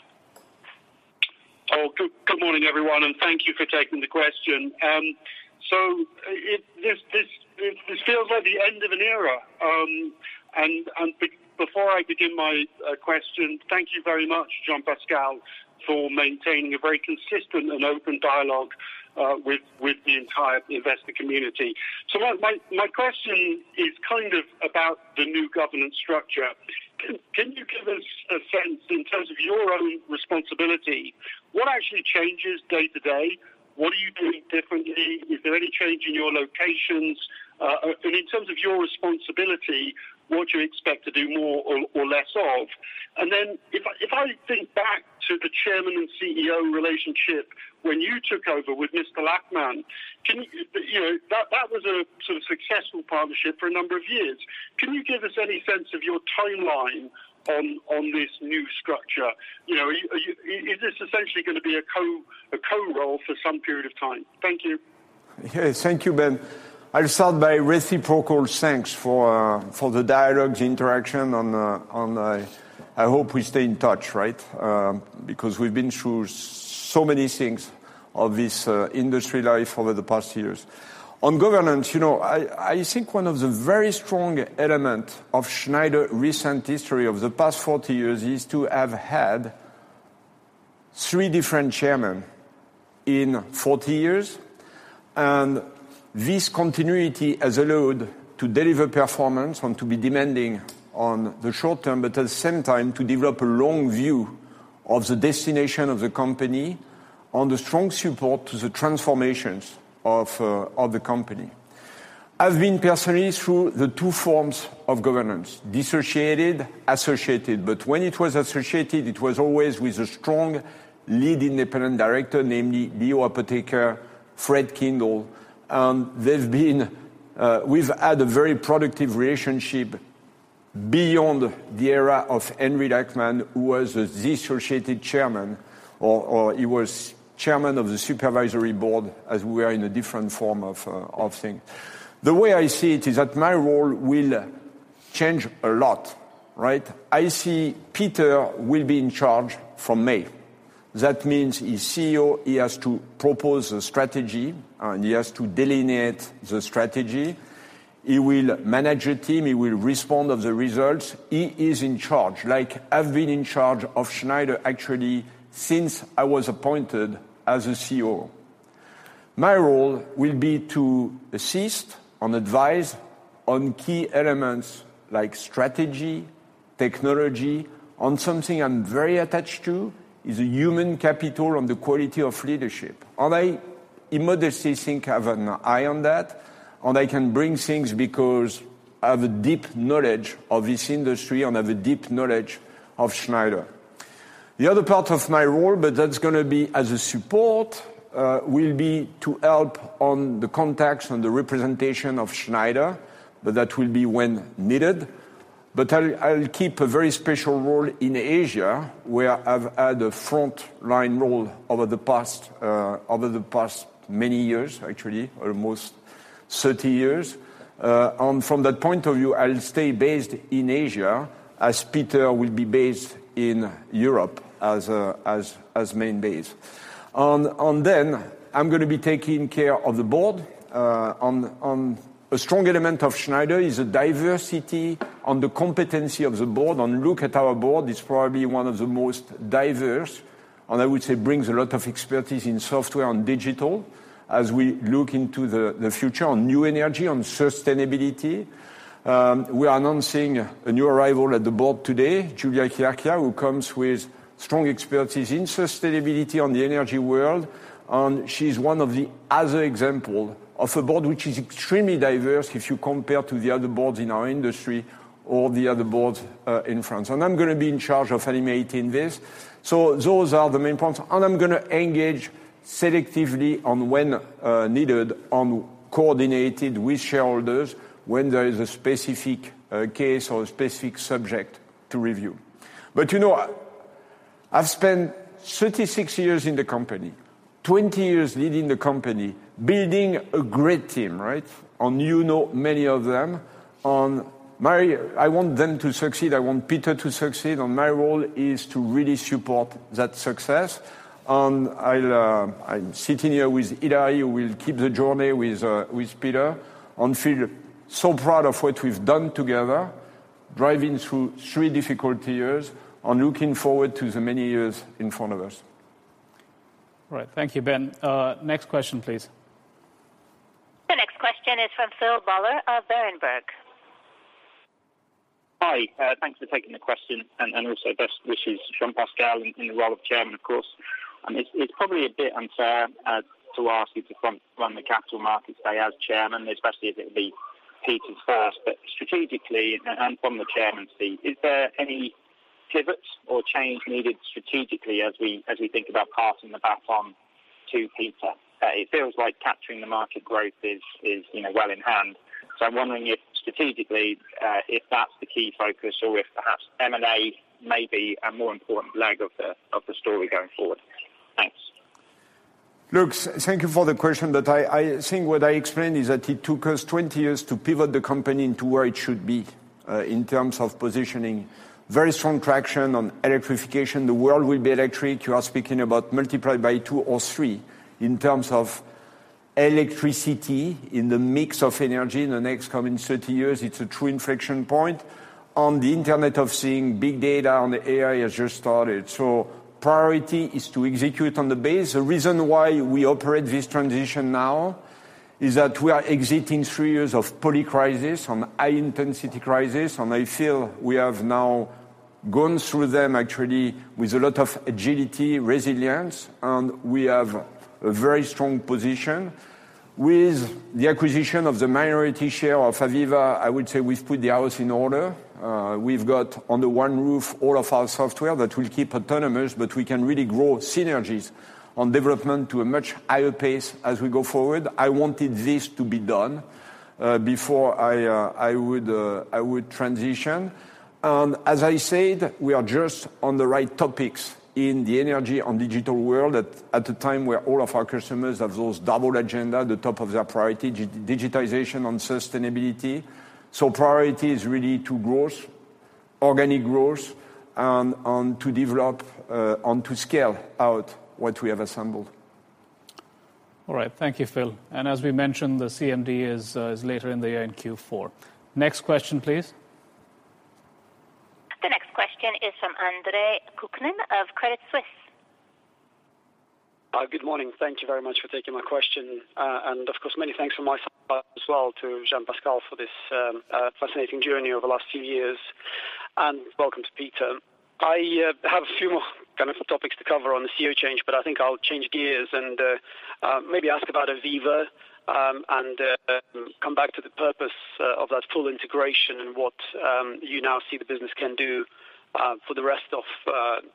Good morning, everyone, thank you for taking the question. This feels like the end of an era. Before I begin my question, thank you very much, Jean-Pascal Tricoire, for maintaining a very consistent and open dialogue with the entire investor community. My question is kind of about the new governance structure. Can you give us a sense in terms of your own responsibility, what actually changes day to day? What are you doing differently? Is there any change in your locations? In terms of your responsibility, what do you expect to do more or less of? If I think back to the chairman and CEO relationship when you took over with Mr. Henri Lachmann, can you... You know, that was a sort of successful partnership for a number of years. Can you give us any sense of your timeline on this new structure? You know, are you... Is this essentially gonna be a co-role for some period of time? Thank you. Yes, thank you, Ben. I'll start by reciprocal thanks for the dialogue, the interaction on. I hope we stay in touch, right? We've been through so many things of this industry life over the past years. On governance, you know, I think one of the very strong element of Schneider recent history of the past 40 years is to have had three different chairmen in 40 years. This continuity has allowed to deliver performance and to be demanding on the short term, but at the same time to develop a long view of the destination of the company on the strong support to the transformations of the company. I've been personally through the two forms of governance, dissociated, associated, but when it was associated, it was always with a strong leading independent director, namely Léo Apotheker, Fred Kindle. They've been. We've had a very productive relationship beyond the era of Henri Lachmann, who was the dissociated chairman or he was chairman of the supervisory board as we are in a different form of thing. The way I see it is that my role will change a lot, right? I see Peter will be in charge from May. That means he's CEO, he has to propose a strategy, and he has to delineate the strategy. He will manage a team, he will respond of the results. He is in charge, like I've been in charge of Schneider actually since I was appointed as a CEO. My role will be to assist and advise on key elements like strategy, technology, on something I'm very attached to, is the human capital and the quality of leadership. I immodestly think I have an eye on that, and I can bring things because I have a deep knowledge of this industry, and I have a deep knowledge of Schneider. The other part of my role, but that's going to be as a support, will be to help on the contacts and the representation of Schneider, but that will be when needed. I'll keep a very special role in Asia, where I've had a frontline role over the past many years, actually, almost 30 years. From that point of view, I'll stay based in Asia as Peter will be based in Europe as main base. Then I'm going to be taking care of the board. A strong element of Schneider is the diversity and the competency of the board. Look at our board, it's probably one of the most diverse, and I would say brings a lot of expertise in software and digital as we look into the future on new energy, on sustainability. We are announcing a new arrival at the board today, Giulia Chierchia, who comes with strong expertise in sustainability on the energy world. She's one of the other example of a board which is extremely diverse if you compare to the other boards in our industry or the other boards in France. I'm gonna be in charge of animating this. Those are the main points. I'm gonna engage selectively on when needed and coordinated with shareholders when there is a specific case or a specific subject to review. You know, I've spent 36 years in the company, 20 years leading the company, building a great team, right? You know many of them. I want them to succeed. I want Peter to succeed. My role is to really support that success. I'll, I'm sitting here with Hillary who will keep the journey with Peter, and feel so proud of what we've done together, driving through three difficult years and looking forward to the many years in front of us. All right. Thank you, Ben. Next question, please. The next question is from Phil Buller of Berenberg. Hey, thanks for taking the question and also best wishes, Jean-Pascal, in the role of chairman, of course. It's, it's probably a bit unfair to ask you to front run the capital market today as chairman, especially as it will be Peter's first. Strategically and from the chairman seat, is there any pivots or change needed strategically as we, as we think about passing the baton to Peter? It feels like capturing the market growth is, you know, well in hand. I'm wondering if strategically, if that's the key focus or if perhaps M&A may be a more important leg of the story going forward? Thanks. Luke, thank you for the question. I think what I explained is that it took us 20 years to pivot the company into where it should be, in terms of positioning. Very strong traction on electrification. The world will be electric. You are speaking about multiplied by 2 or 3 in terms of electricity in the mix of energy in the next coming 30 years. It's a true inflection point. On the Internet of seeing big data on the AI has just started. Priority is to execute on the base. The reason why we operate this transition now is that we are exiting 3 years of polycrisis, on high intensity crisis, and I feel we have now gone through them actually with a lot of agility, resilience, and we have a very strong position. With the acquisition of the minority share of AVEVA, I would say we've put the house in order. We've got under one roof all of our software that will keep autonomous, but we can really grow synergies on development to a much higher pace as we go forward. I wanted this to be done before I would transition. As I said, we are just on the right topics in the energy and digital world at a time where all of our customers have those double agenda at the top of their priority, digitization and sustainability. Priority is really to growth, organic growth, and to develop and to scale out what we have assembled. All right. Thank you, Phil. As we mentioned, the CMD is later in the year in Q4. Next question, please. The next question is from Andre Kukhnin of Credit Suisse. Good morning. Thank you very much for taking my question. Of course, many thanks from my side as well to Jean-Pascal for this fascinating journey over the last few years, and welcome to Peter. I have a few more kind of topics to cover on the CEO change, but I think I'll change gears and maybe ask about AVEVA, and come back to the purpose of that full integration and what you now see the business can do for the rest of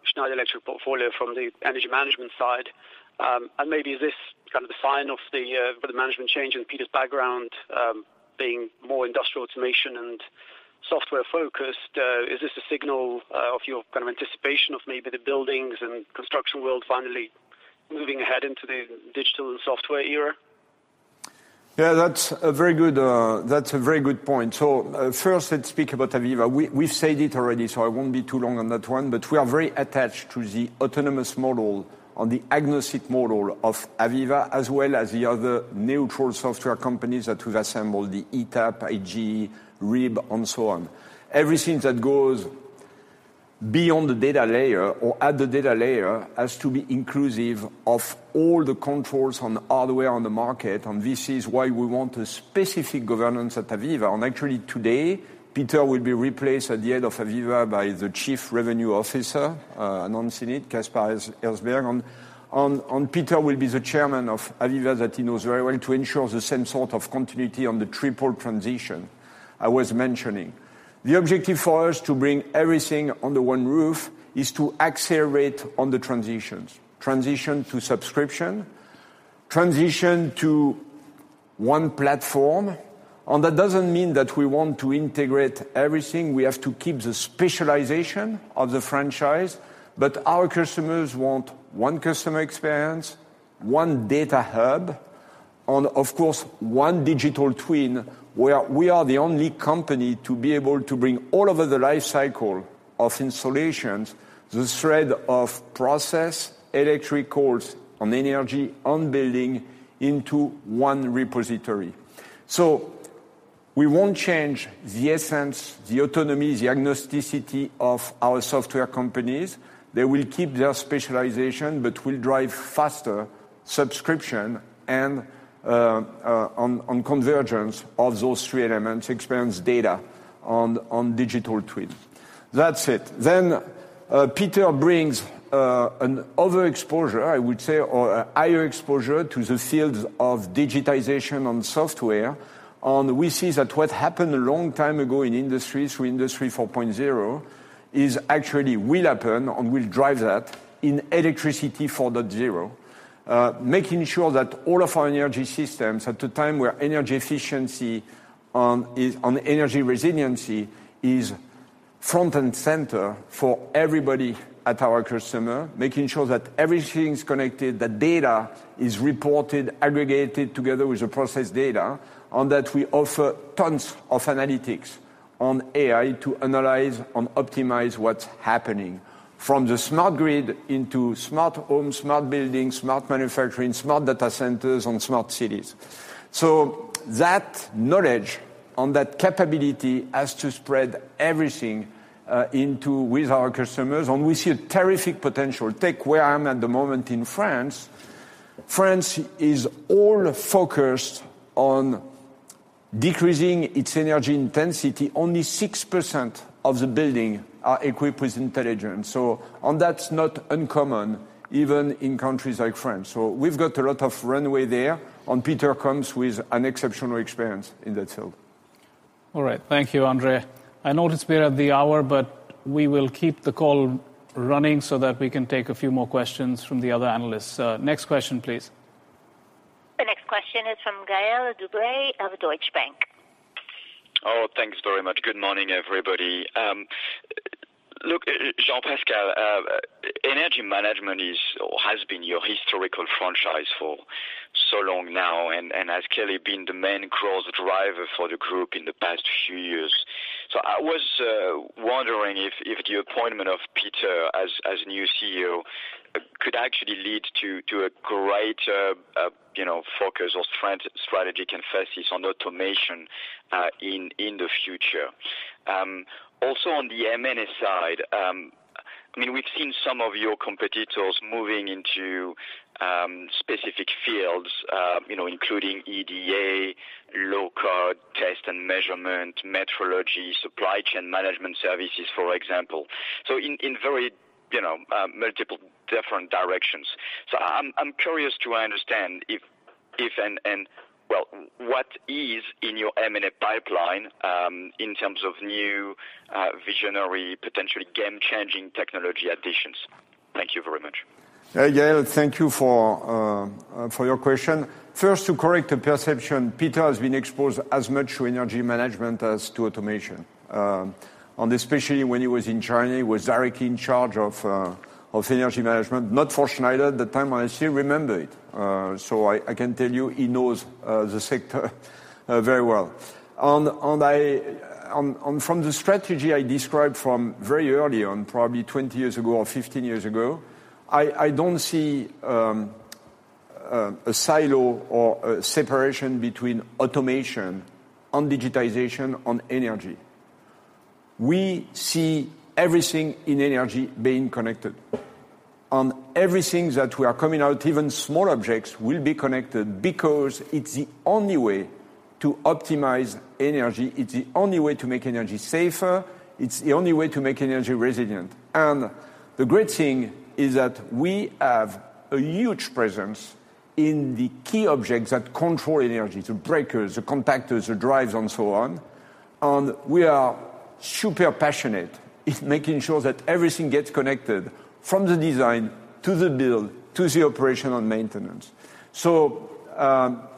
Schneider Electric portfolio from the energy management side. Maybe is this kind of the sign of the for the management change in Peter's background, being more industrial automation and software-focused? Is this a signal of your kind of anticipation of maybe the buildings and construction world finally moving ahead into the digital and software era? Yeah, that's a very good, that's a very good point. First let's speak about AVEVA. We've said it already, so I won't be too long on that one. We are very attached to the autonomous model or the agnostic model of AVEVA as well as the other neutral software companies that we've assembled, the ETAP, IG, RIB, and so on. Everything that goes beyond the data layer or at the data layer has to be inclusive of all the controls on all the way on the market, and this is why we want a specific governance at AVEVA. Actually, today, Peter will be replaced at the head of AVEVA by the chief revenue officer, announced in it, Caspar Herzberg. Peter will be the chairman of AVEVA that he knows very well to ensure the same sort of continuity on the triple transition I was mentioning. The objective for us to bring everything under one roof is to accelerate on the transitions. Transition to subscription, transition to one platform. That doesn't mean that we want to integrate everything. We have to keep the specialization of the franchise, but our customers want one customer experience, one data hub, and of course, one digital twin, where we are the only company to be able to bring all over the life cycle of installations, the thread of process, electric cores, and energy on building into one repository. We won't change the essence, the autonomy, the agnosticity of our software companies. They will keep their specialization, but we'll drive faster subscription and convergence of those three elements, experience data on digital twin. That's it. Peter brings an overexposure, I would say, or a higher exposure to the fields of digitization on software. We see that what happened a long time ago in industry through Industry 4.0 is actually will happen and will drive that in Electricity 4.0. Making sure that all of our energy systems at a time where energy efficiency is, and energy resiliency is front and center for everybody at our customer, making sure that everything's connected, that data is reported, aggregated together with the process data, and that we offer tons of analytics on AI to analyze and optimize what's happening from the smart grid into smart homes, smart buildings, smart manufacturing, smart data centers, and smart cities. That knowledge and that capability has to spread everything into with our customers, and we see a terrific potential. Take where I am at the moment in France. France is all focused on decreasing its energy intensity. Only 6% of the buildings are equipped with intelligence. That's not uncommon even in countries like France. We've got a lot of runway there, and Peter comes with an exceptional experience in that field. All right. Thank you, Andrea. I know it is beyond the hour, but we will keep the call running so that we can take a few more questions from the other analysts. next question, please. The next question is from Gael de-Bray of Deutsche Bank. Thanks very much. Good morning, everybody. Look, Jean-Pascal, energy management is or has been your historical franchise for so long now and has clearly been the main growth driver for the group in the past few years. I was wondering if the appointment of Peter as new CEO could actually lead to a greater, you know, focus or strategic emphasis on automation, in the future. Also on the M&A side, I mean, we've seen some of your competitors moving into, specific fields, you know, including EDA, low-k test and measurement, metrology, supply chain management services, for example. In very, you know, multiple different directions. I'm curious to understand if and, well, what is in your M&A pipeline, in terms of new, visionary, potentially game-changing technology additions? Thank you very much. Gael, thank you for your question. First, to correct the perception, Peter has been exposed as much to energy management as to automation. Especially when he was in China, he was directly in charge of energy management. Not for Schneider at the time, I still remember it. So I can tell you he knows the sector very well. From the strategy I described from very early on, probably 20 years ago or 15 years ago, I don't see a silo or a separation between automation and digitization on energy. We see everything in energy being connected. Everything that we are coming out, even small objects, will be connected because it's the only way to optimize energy. It's the only way to make energy safer. It's the only way to make energy resilient. The great thing is that we have a huge presence in the key objects that control energy, the breakers, the contactors, the drives and so on. We are super passionate in making sure that everything gets connected from the design to the build to the operation and maintenance.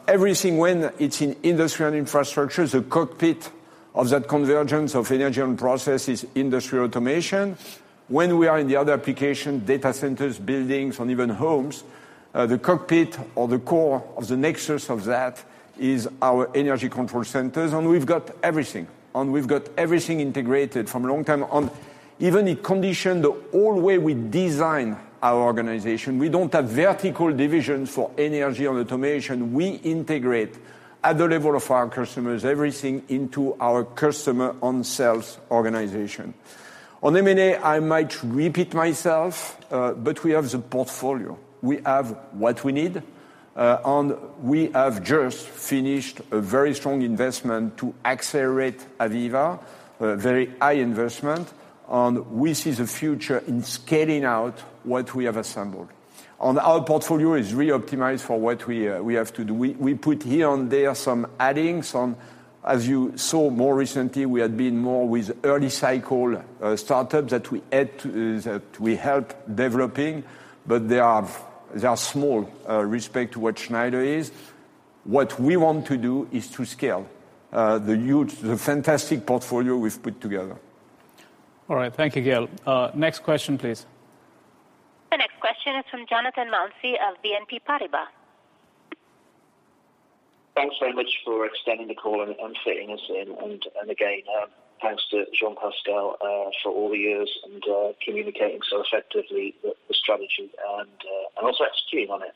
Everything when it's in industry and infrastructure, the cockpit of that convergence of energy and processes, industry automation. When we are in the other application data centers, buildings, and even homes, the cockpit or the core of the nexus of that is our energy control centers. We've got everything, and we've got everything integrated from long time. Even it conditioned the whole way we design our organization. We don't have vertical divisions for energy or automation. We integrate at the level of our customers, everything into our customer and sales organization. On M&A, I might repeat myself, but we have the portfolio. We have what we need, and we have just finished a very strong investment to accelerate AVEVA, a very high investment, and we see the future in scaling out what we have assembled. Our portfolio is reoptimized for what we have to do. We put here and there some adding. Some as you saw more recently, we had been more with early cycle, startups that we help developing, but they are small, respect to what Schneider is. What we want to do is to scale, the huge, the fantastic portfolio we've put together. All right. Thank you, Gael. Next question, please. The next question is from Jonathan Mounsey of BNP Paribas. Thanks very much for extending the call and fitting us in. Thanks to Jean-Pascal for all the years and communicating so effectively the strategy and also executing on it.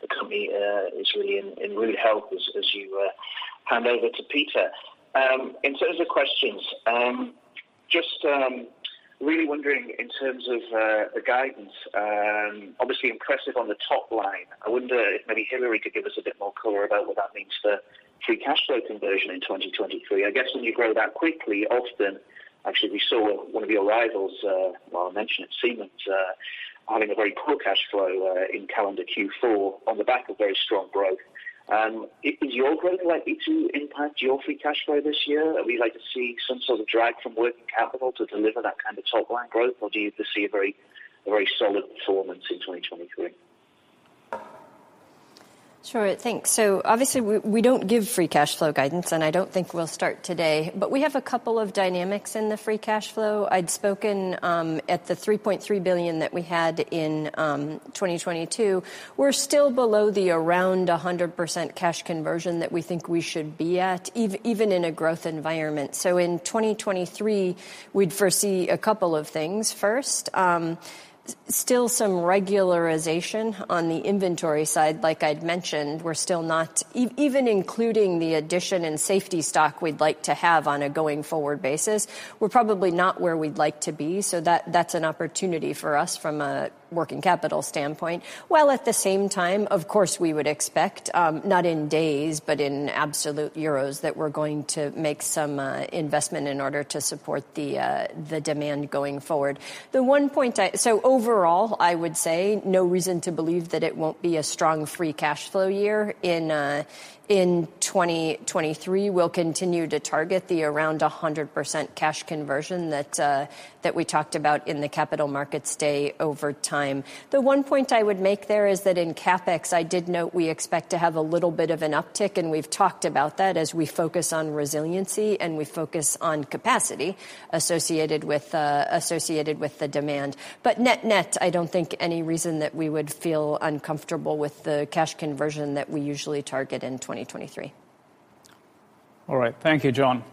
The company is really in good health as you hand over to Peter. In terms of questions, just really wondering in terms of the guidance, obviously impressive on the top line. I wonder if maybe Hilary could give us a bit more color about what that means for free cash flow conversion in 2023. I guess when you grow that quickly, often, actually, we saw one of your rivals, well, I mentioned it, Siemens, having a very poor cash flow in calendar Q4 on the back of very strong growth. Is your growth likely to impact your free cash flow this year? Are we likely to see some sort of drag from working capital to deliver that kind of top-line growth, or do you foresee a very solid performance in 2023? Sure. Thanks. Obviously we don't give free cash flow guidance, and I don't think we'll start today. We have a couple of dynamics in the free cash flow. I'd spoken at the 3.3 billion that we had in 2022. We're still below the around 100% cash conversion that we think we should be at, even in a growth environment. In 2023, we'd foresee a couple of things. First, still some regularization on the inventory side. Like I'd mentioned, we're still not even including the addition in safety stock we'd like to have on a going-forward basis, we're probably not where we'd like to be. That's an opportunity for us from a working capital standpoint. While at the same time, of course, we would expect, not in days, but in absolute EUR, that we're going to make some investment in order to support the demand going forward. Overall, I would say no reason to believe that it won't be a strong free cash flow year. In 2023, we'll continue to target the around 100% cash conversion that we talked about in the Capital Markets Day over time. The one point I would make there is that in CapEx, I did note we expect to have a little bit of an uptick, and we've talked about that as we focus on resiliency and we focus on capacity associated with the demand. Net-net, I don't think any reason that we would feel uncomfortable with the cash conversion that we usually target in 2023. All right. Thank you, Jon.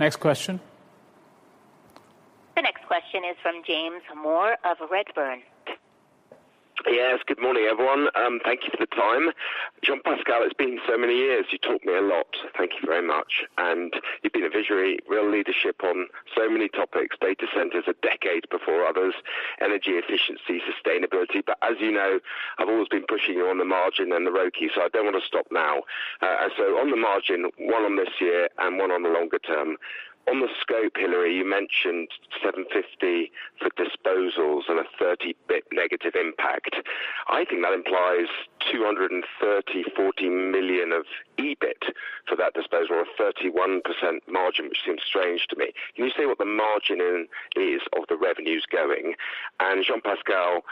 next question. The next question is from James Moore of Redburn. Yes. Good morning, everyone. Thank you for the time. Jean-Pascal, it's been so many years. You taught me a lot. Thank you very much. You've been a visionary, real leadership on so many topics, data centers a decade before others, energy efficiency, sustainability. As you know, I've always been pushing you on the margin and the ROIC, so I don't wanna stop now. On the margin, one on this year and one on the longer term. On the scope, Hilary, you mentioned 750 for disposals and a 30 basis points negative impact. I think that implies 230-40 million of EBIT for that disposal, a 31% margin, which seems strange to me. Can you say what the margin is of the revenues going? Jean-Pascal,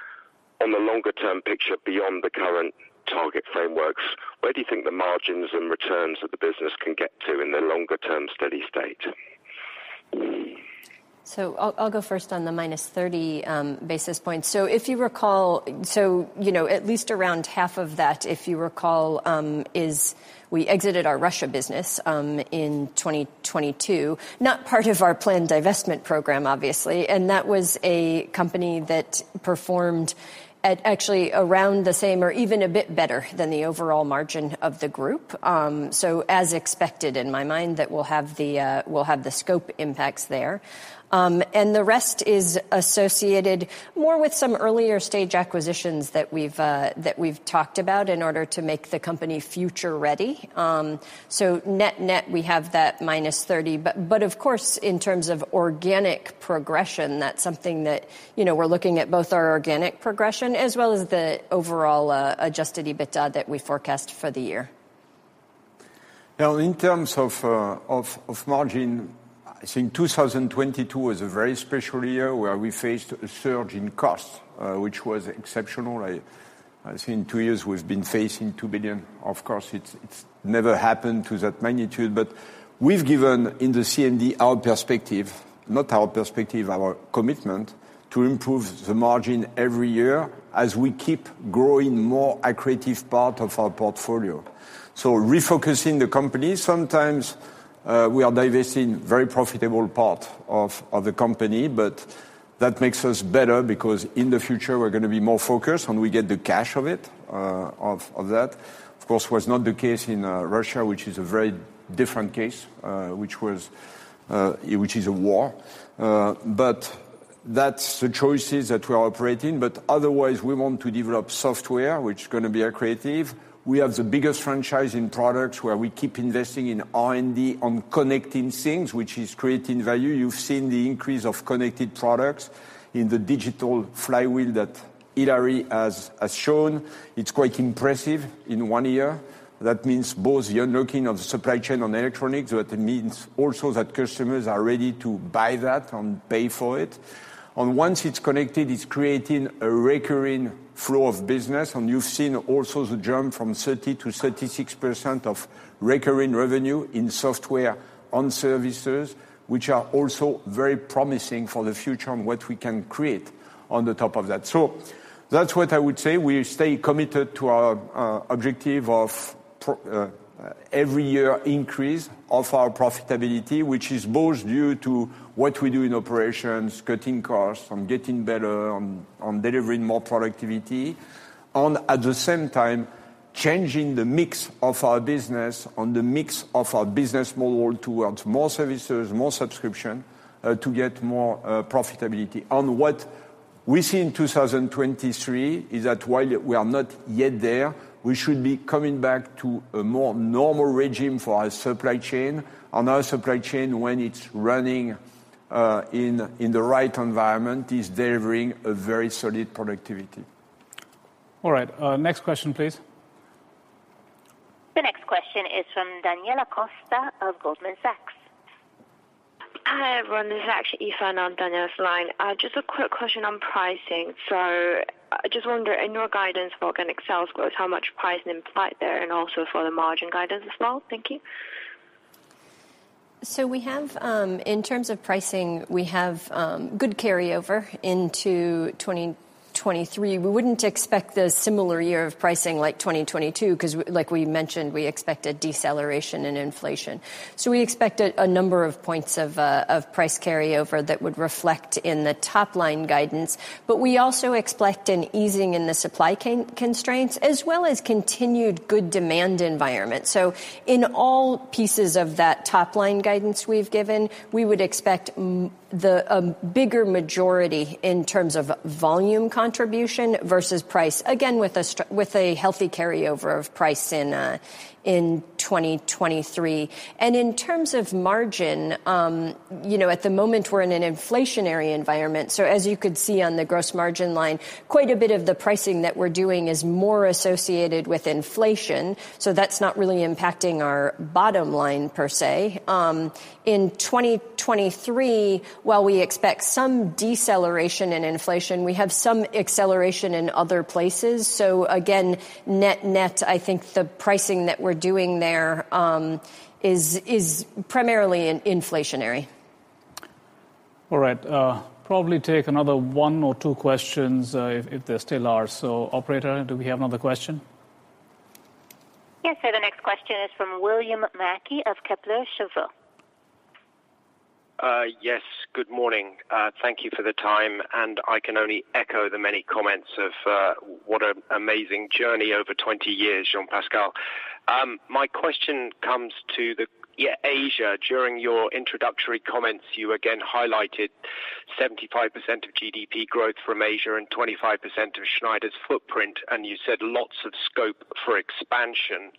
on the longer term picture beyond the current target frameworks, where do you think the margins and returns of the business can get to in the longer term steady state? I'll go first on the -30 basis points. If you recall, you know, at least around half of that, if you recall, is we exited our Russia business in 2022. Not part of our planned divestment program, obviously. That was a company that performed at actually around the same or even a bit better than the overall margin of the group. As expected in my mind that we'll have the, we'll have the scope impacts there. The rest is associated more with some earlier stage acquisitions that we've talked about in order to make the company future ready. Net-net, we have that -30. But of course, in terms of organic progression, that's something that, you know, we're looking at both our organic progression as well as the overall, adjusted EBITDA that we forecast for the year. Now in terms of margin, I think 2022 was a very special year where we faced a surge in costs, which was exceptional. I think two years we've been facing 2 billion. Of course, it's never happened to that magnitude. We've given in the CMD our perspective, not our perspective, our commitment, to improve the margin every year as we keep growing more accretive part of our portfolio. Refocusing the company, sometimes, we are divesting very profitable part of the company, but that makes us better because in the future we're gonna be more focused and we get the cash of it, of that. Of course, was not the case in Russia, which is a very different case, which was, which is a war. That's the choices that we are operating. Otherwise, we want to develop software, which is gonna be accretive. We have the biggest franchise in products where we keep investing in R&D on connecting things, which is creating value. You've seen the increase of connected products in the Digital Flywheel that Hilary has shown. It's quite impressive in one year. That means both the unlocking of the supply chain on electronics, but it means also that customers are ready to buy that and pay for it. Once it's connected, it's creating a recurring flow of business. You've seen also the jump from 30%-36% of recurring revenue in software on services, which are also very promising for the future and what we can create on the top of that. That's what I would say. We stay committed to our objective of every year increase of our profitability, which is both due to what we do in operations, cutting costs and getting better on delivering more productivity. At the same time, changing the mix of our business, the mix of our business model towards more services, more subscription to get more profitability. What we see in 2023 is that while we are not yet there, we should be coming back to a more normal regime for our supply chain. Our supply chain, when it's running in the right environment, is delivering a very solid productivity. All right, next question, please. The next question is from Daniela Costa of Goldman Sachs. Hi everyone, this is actually Ethan on Daniel's line. Just a quick question on pricing. I just wonder, in your guidance for organic sales growth, how much pricing implied there and also for the margin guidance as well? Thank you. We have, in terms of pricing, we have, good carryover into 2023. We wouldn't expect the similar year of pricing like 2022, 'cause we mentioned, we expect a deceleration in inflation. We expect a number of points of price carryover that would reflect in the top-line guidance, but we also expect an easing in the supply constraints as well as continued good demand environment. In all pieces of that top-line guidance we've given, we would expect the bigger majority in terms of volume contribution versus price, again, with a healthy carryover of price in 2023. In terms of margin, you know, at the moment we're in an inflationary environment, so as you could see on the gross margin line, quite a bit of the pricing that we're doing is more associated with inflation, so that's not really impacting our bottom line per se. In 2023, while we expect some deceleration in inflation, we have some acceleration in other places. Again, net-net, I think the pricing that we're doing there, is primarily in inflationary. All right, probably take another 1 or 2 questions, if there still are. Operator, do we have another question? Yes, sir. The next question is from William Mackie of Kepler Cheuvreux. Yes. Good morning. Thank you for the time, and I can only echo the many comments of what an amazing journey over 20 years, Jean-Pascal. My question comes to the Asia. During your introductory comments, you again highlighted 75% of GDP growth from Asia and 25% of Schneider's footprint, and you said lots of scope for expansion.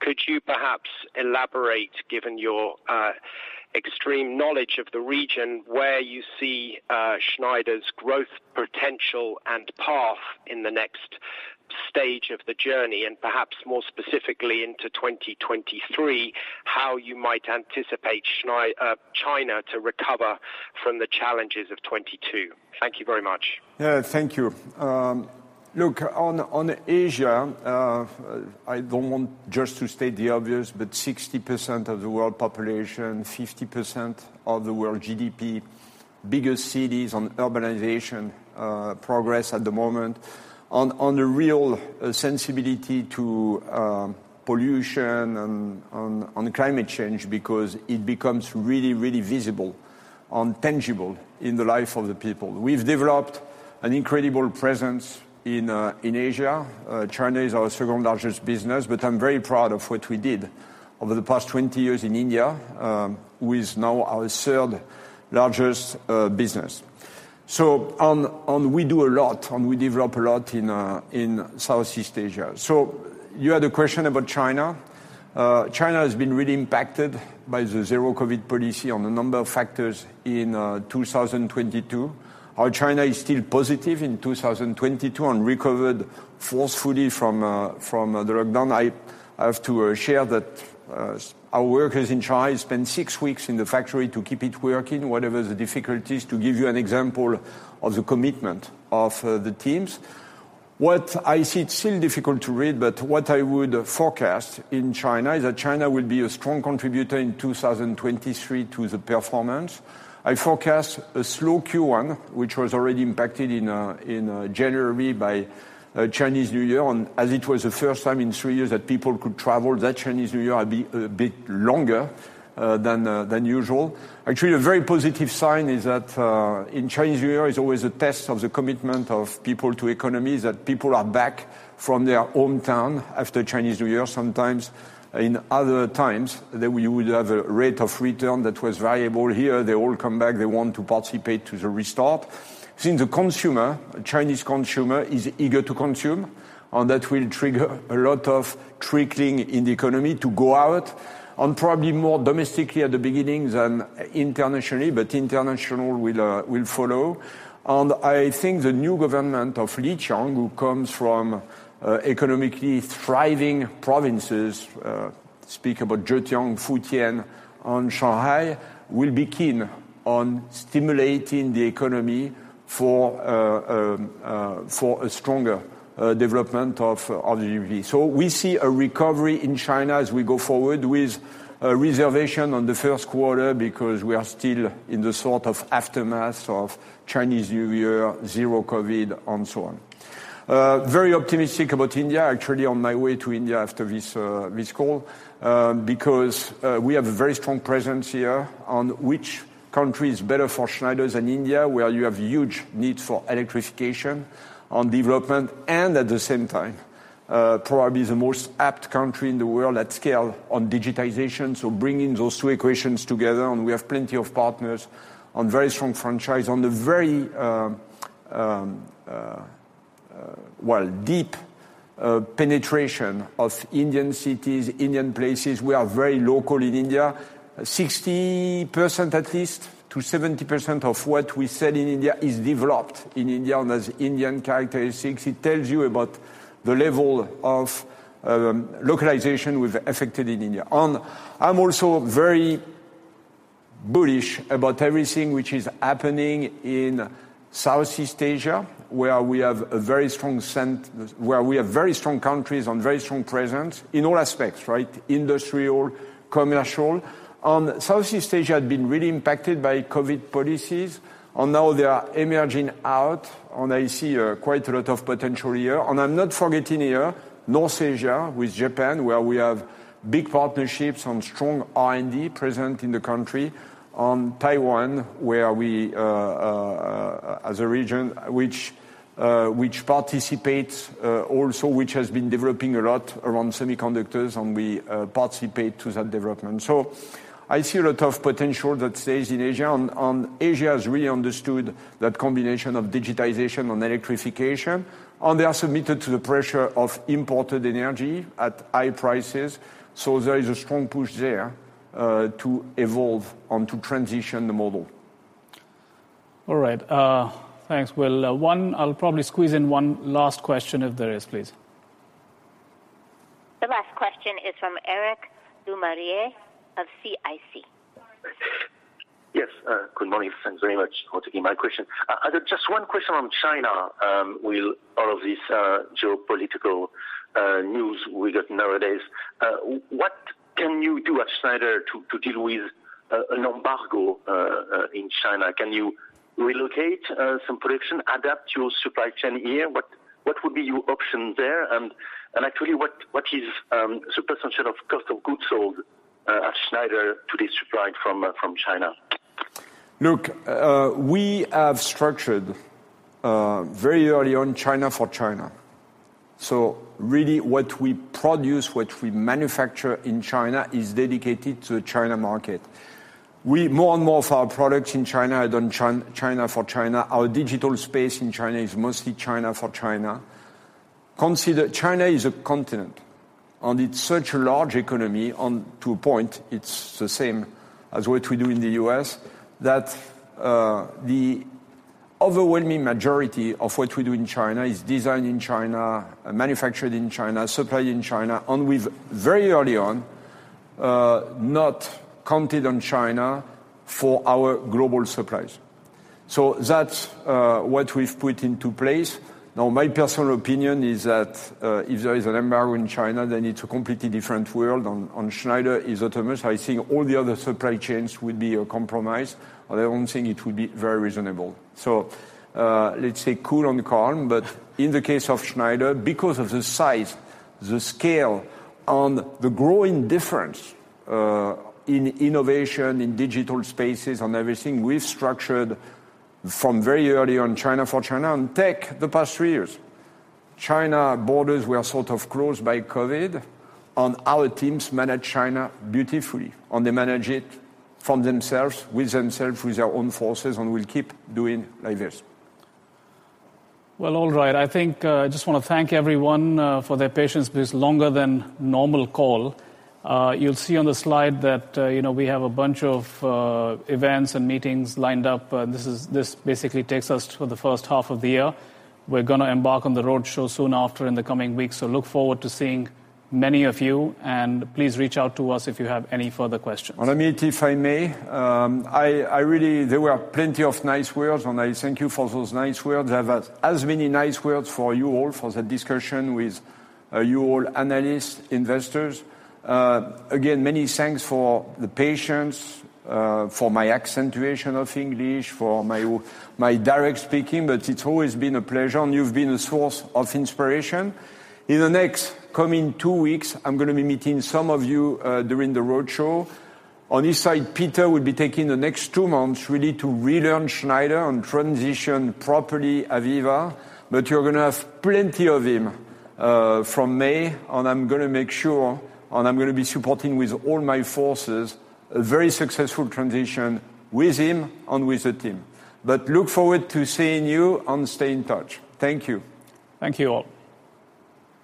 Could you perhaps elaborate, given your extreme knowledge of the region, where you see Schneider's growth potential and path in the next stage of the journey, and perhaps more specifically into 2023, how you might anticipate China to recover from the challenges of 22? Thank you very much. Yeah, thank you. Look on Asia, I don't want just to state the obvious, but 60% of the world population, 50% of the world GDP, biggest cities on urbanization progress at the moment, on the real sensibility to pollution and on climate change because it becomes really, really visible and tangible in the life of the people. We've developed an incredible presence in Asia. China is our second-largest business, but I'm very proud of what we did over the past 20 years in India, who is now our third-largest business. We do a lot and we develop a lot in Southeast Asia. You had a question about China. China has been really impacted by the Zero-COVID policy on a number of factors in 2022. Our China is still positive in 2022 and recovered forcefully from the lockdown. I have to share that our workers in China spent six weeks in the factory to keep it working, whatever the difficulties, to give you an example of the commitment of the teams. What I see, it's still difficult to read, but what I would forecast in China is that China will be a strong contributor in 2023 to the performance. I forecast a slow Q1, which was already impacted in January by Chinese New Year. As it was the first time in three years that people could travel, that Chinese New Year be a bit longer than usual. Actually, a very positive sign is that in Chinese New Year is always a test of the commitment of people to economy, that people are back from their hometown after Chinese New Year sometimes. In other times, they will have a rate of return that was variable here. They all come back. They want to participate to the restart. Since the consumer, Chinese consumer, is eager to consume, and that will trigger a lot of trickling in the economy to go out, and probably more domestically at the beginning than internationally, but international will follow. I think the new government of Li Qiang, who comes from economically thriving provinces, speak about Zhejiang, Fujian, and Shanghai, will be keen on stimulating the economy for a stronger development of the GDP. We see a recovery in China as we go forward with a reservation on the first quarter because we are still in the sort of aftermath of Chinese New Year, Zero-COVID, and so on. Very optimistic about India. Actually on my way to India after this call, because we have a very strong presence here. On which country is better for Schneider than India, where you have huge need for electrification on development and at the same time, probably the most apt country in the world at scale on digitization. Bringing those two equations together, and we have plenty of partners on very strong franchise on the very, well, deep penetration of Indian cities, Indian places. We are very local in India. 60% at least to 70% of what we sell in India is developed in India and has Indian characteristics. It tells you about the level of localization we've affected in India. I'm also very bullish about everything which is happening in Southeast Asia, where we have very strong countries and very strong presence in all aspects, right? Industrial, commercial. Southeast Asia had been really impacted by COVID-19 policies, and now they are emerging out, and I see quite a lot of potential here. I'm not forgetting here North Asia with Japan, where we have big partnerships and strong R&D present in the country. Taiwan, where we as a region which participates also which has been developing a lot around semiconductors and we participate to that development. I see a lot of potential that stays in Asia and Asia has really understood that combination of digitization and electrification, and they are submitted to the pressure of imported energy at high prices. There is a strong push there to evolve and to transition the model. All right, thanks. Well, I'll probably squeeze in one last question if there is, please. The last question is from Eric Lemarie of CIC. Yes. Good morning. Thanks very much for taking my question. Just one question on China, with all of this geopolitical news we get nowadays. What can you do at Schneider to deal with an embargo in China? Can you relocate some production, adapt your supply chain here? What would be your option there? Actually, what is the percentage of cost of goods sold at Schneider today supplied from China? Look, we have structured very early on China for China. Really what we produce, what we manufacture in China is dedicated to the China market. More and more of our products in China are done China for China. Our digital space in China is mostly China for China. Consider China is a continent, and it's such a large economy, to a point it's the same as what we do in the U.S., that the overwhelming majority of what we do in China is designed in China, manufactured in China, supplied in the China. We've very early on not counted on China for our global supplies. That's what we've put into place. My personal opinion is that if there is an embargo in China, then it's a completely different world, and Schneider is autonomous. I think all the other supply chains would be a compromise. I don't think it would be very reasonable. Let's stay cool and calm. In the case of Schneider, because of the size, the scale, and the growing difference in innovation, in digital spaces and everything, we've structured from very early on China for China. Take the past three years, China borders were sort of closed by COVID, and our teams managed China beautifully, and they manage it from themselves, with themselves, with their own forces, and will keep doing like this. Well, all right. I think, I just wanna thank everyone for their patience with this longer than normal call. You'll see on the slide that, you know, we have a bunch of events and meetings lined up. This basically takes us through the first half of the year. We're gonna embark on the road show soon after in the coming weeks. Look forward to seeing many of you, and please reach out to us if you have any further questions. Amit, if I may, there were plenty of nice words, I thank you for those nice words. I have as many nice words for you all for the discussion with you all, analysts, investors. Again, many thanks for the patience for my accentuation of English, for my direct speaking, it's always been a pleasure, you've been a source of inspiration. In the next coming two weeks, I'm gonna be meeting some of you during the roadshow. On his side, Peter will be taking the next two months really to relearn Schneider and transition properly AVEVA. You're gonna have plenty of him from May, and I'm gonna make sure, and I'm gonna be supporting with all my forces a very successful transition with him and with the team. Look forward to seeing you and stay in touch. Thank you. Thank you all.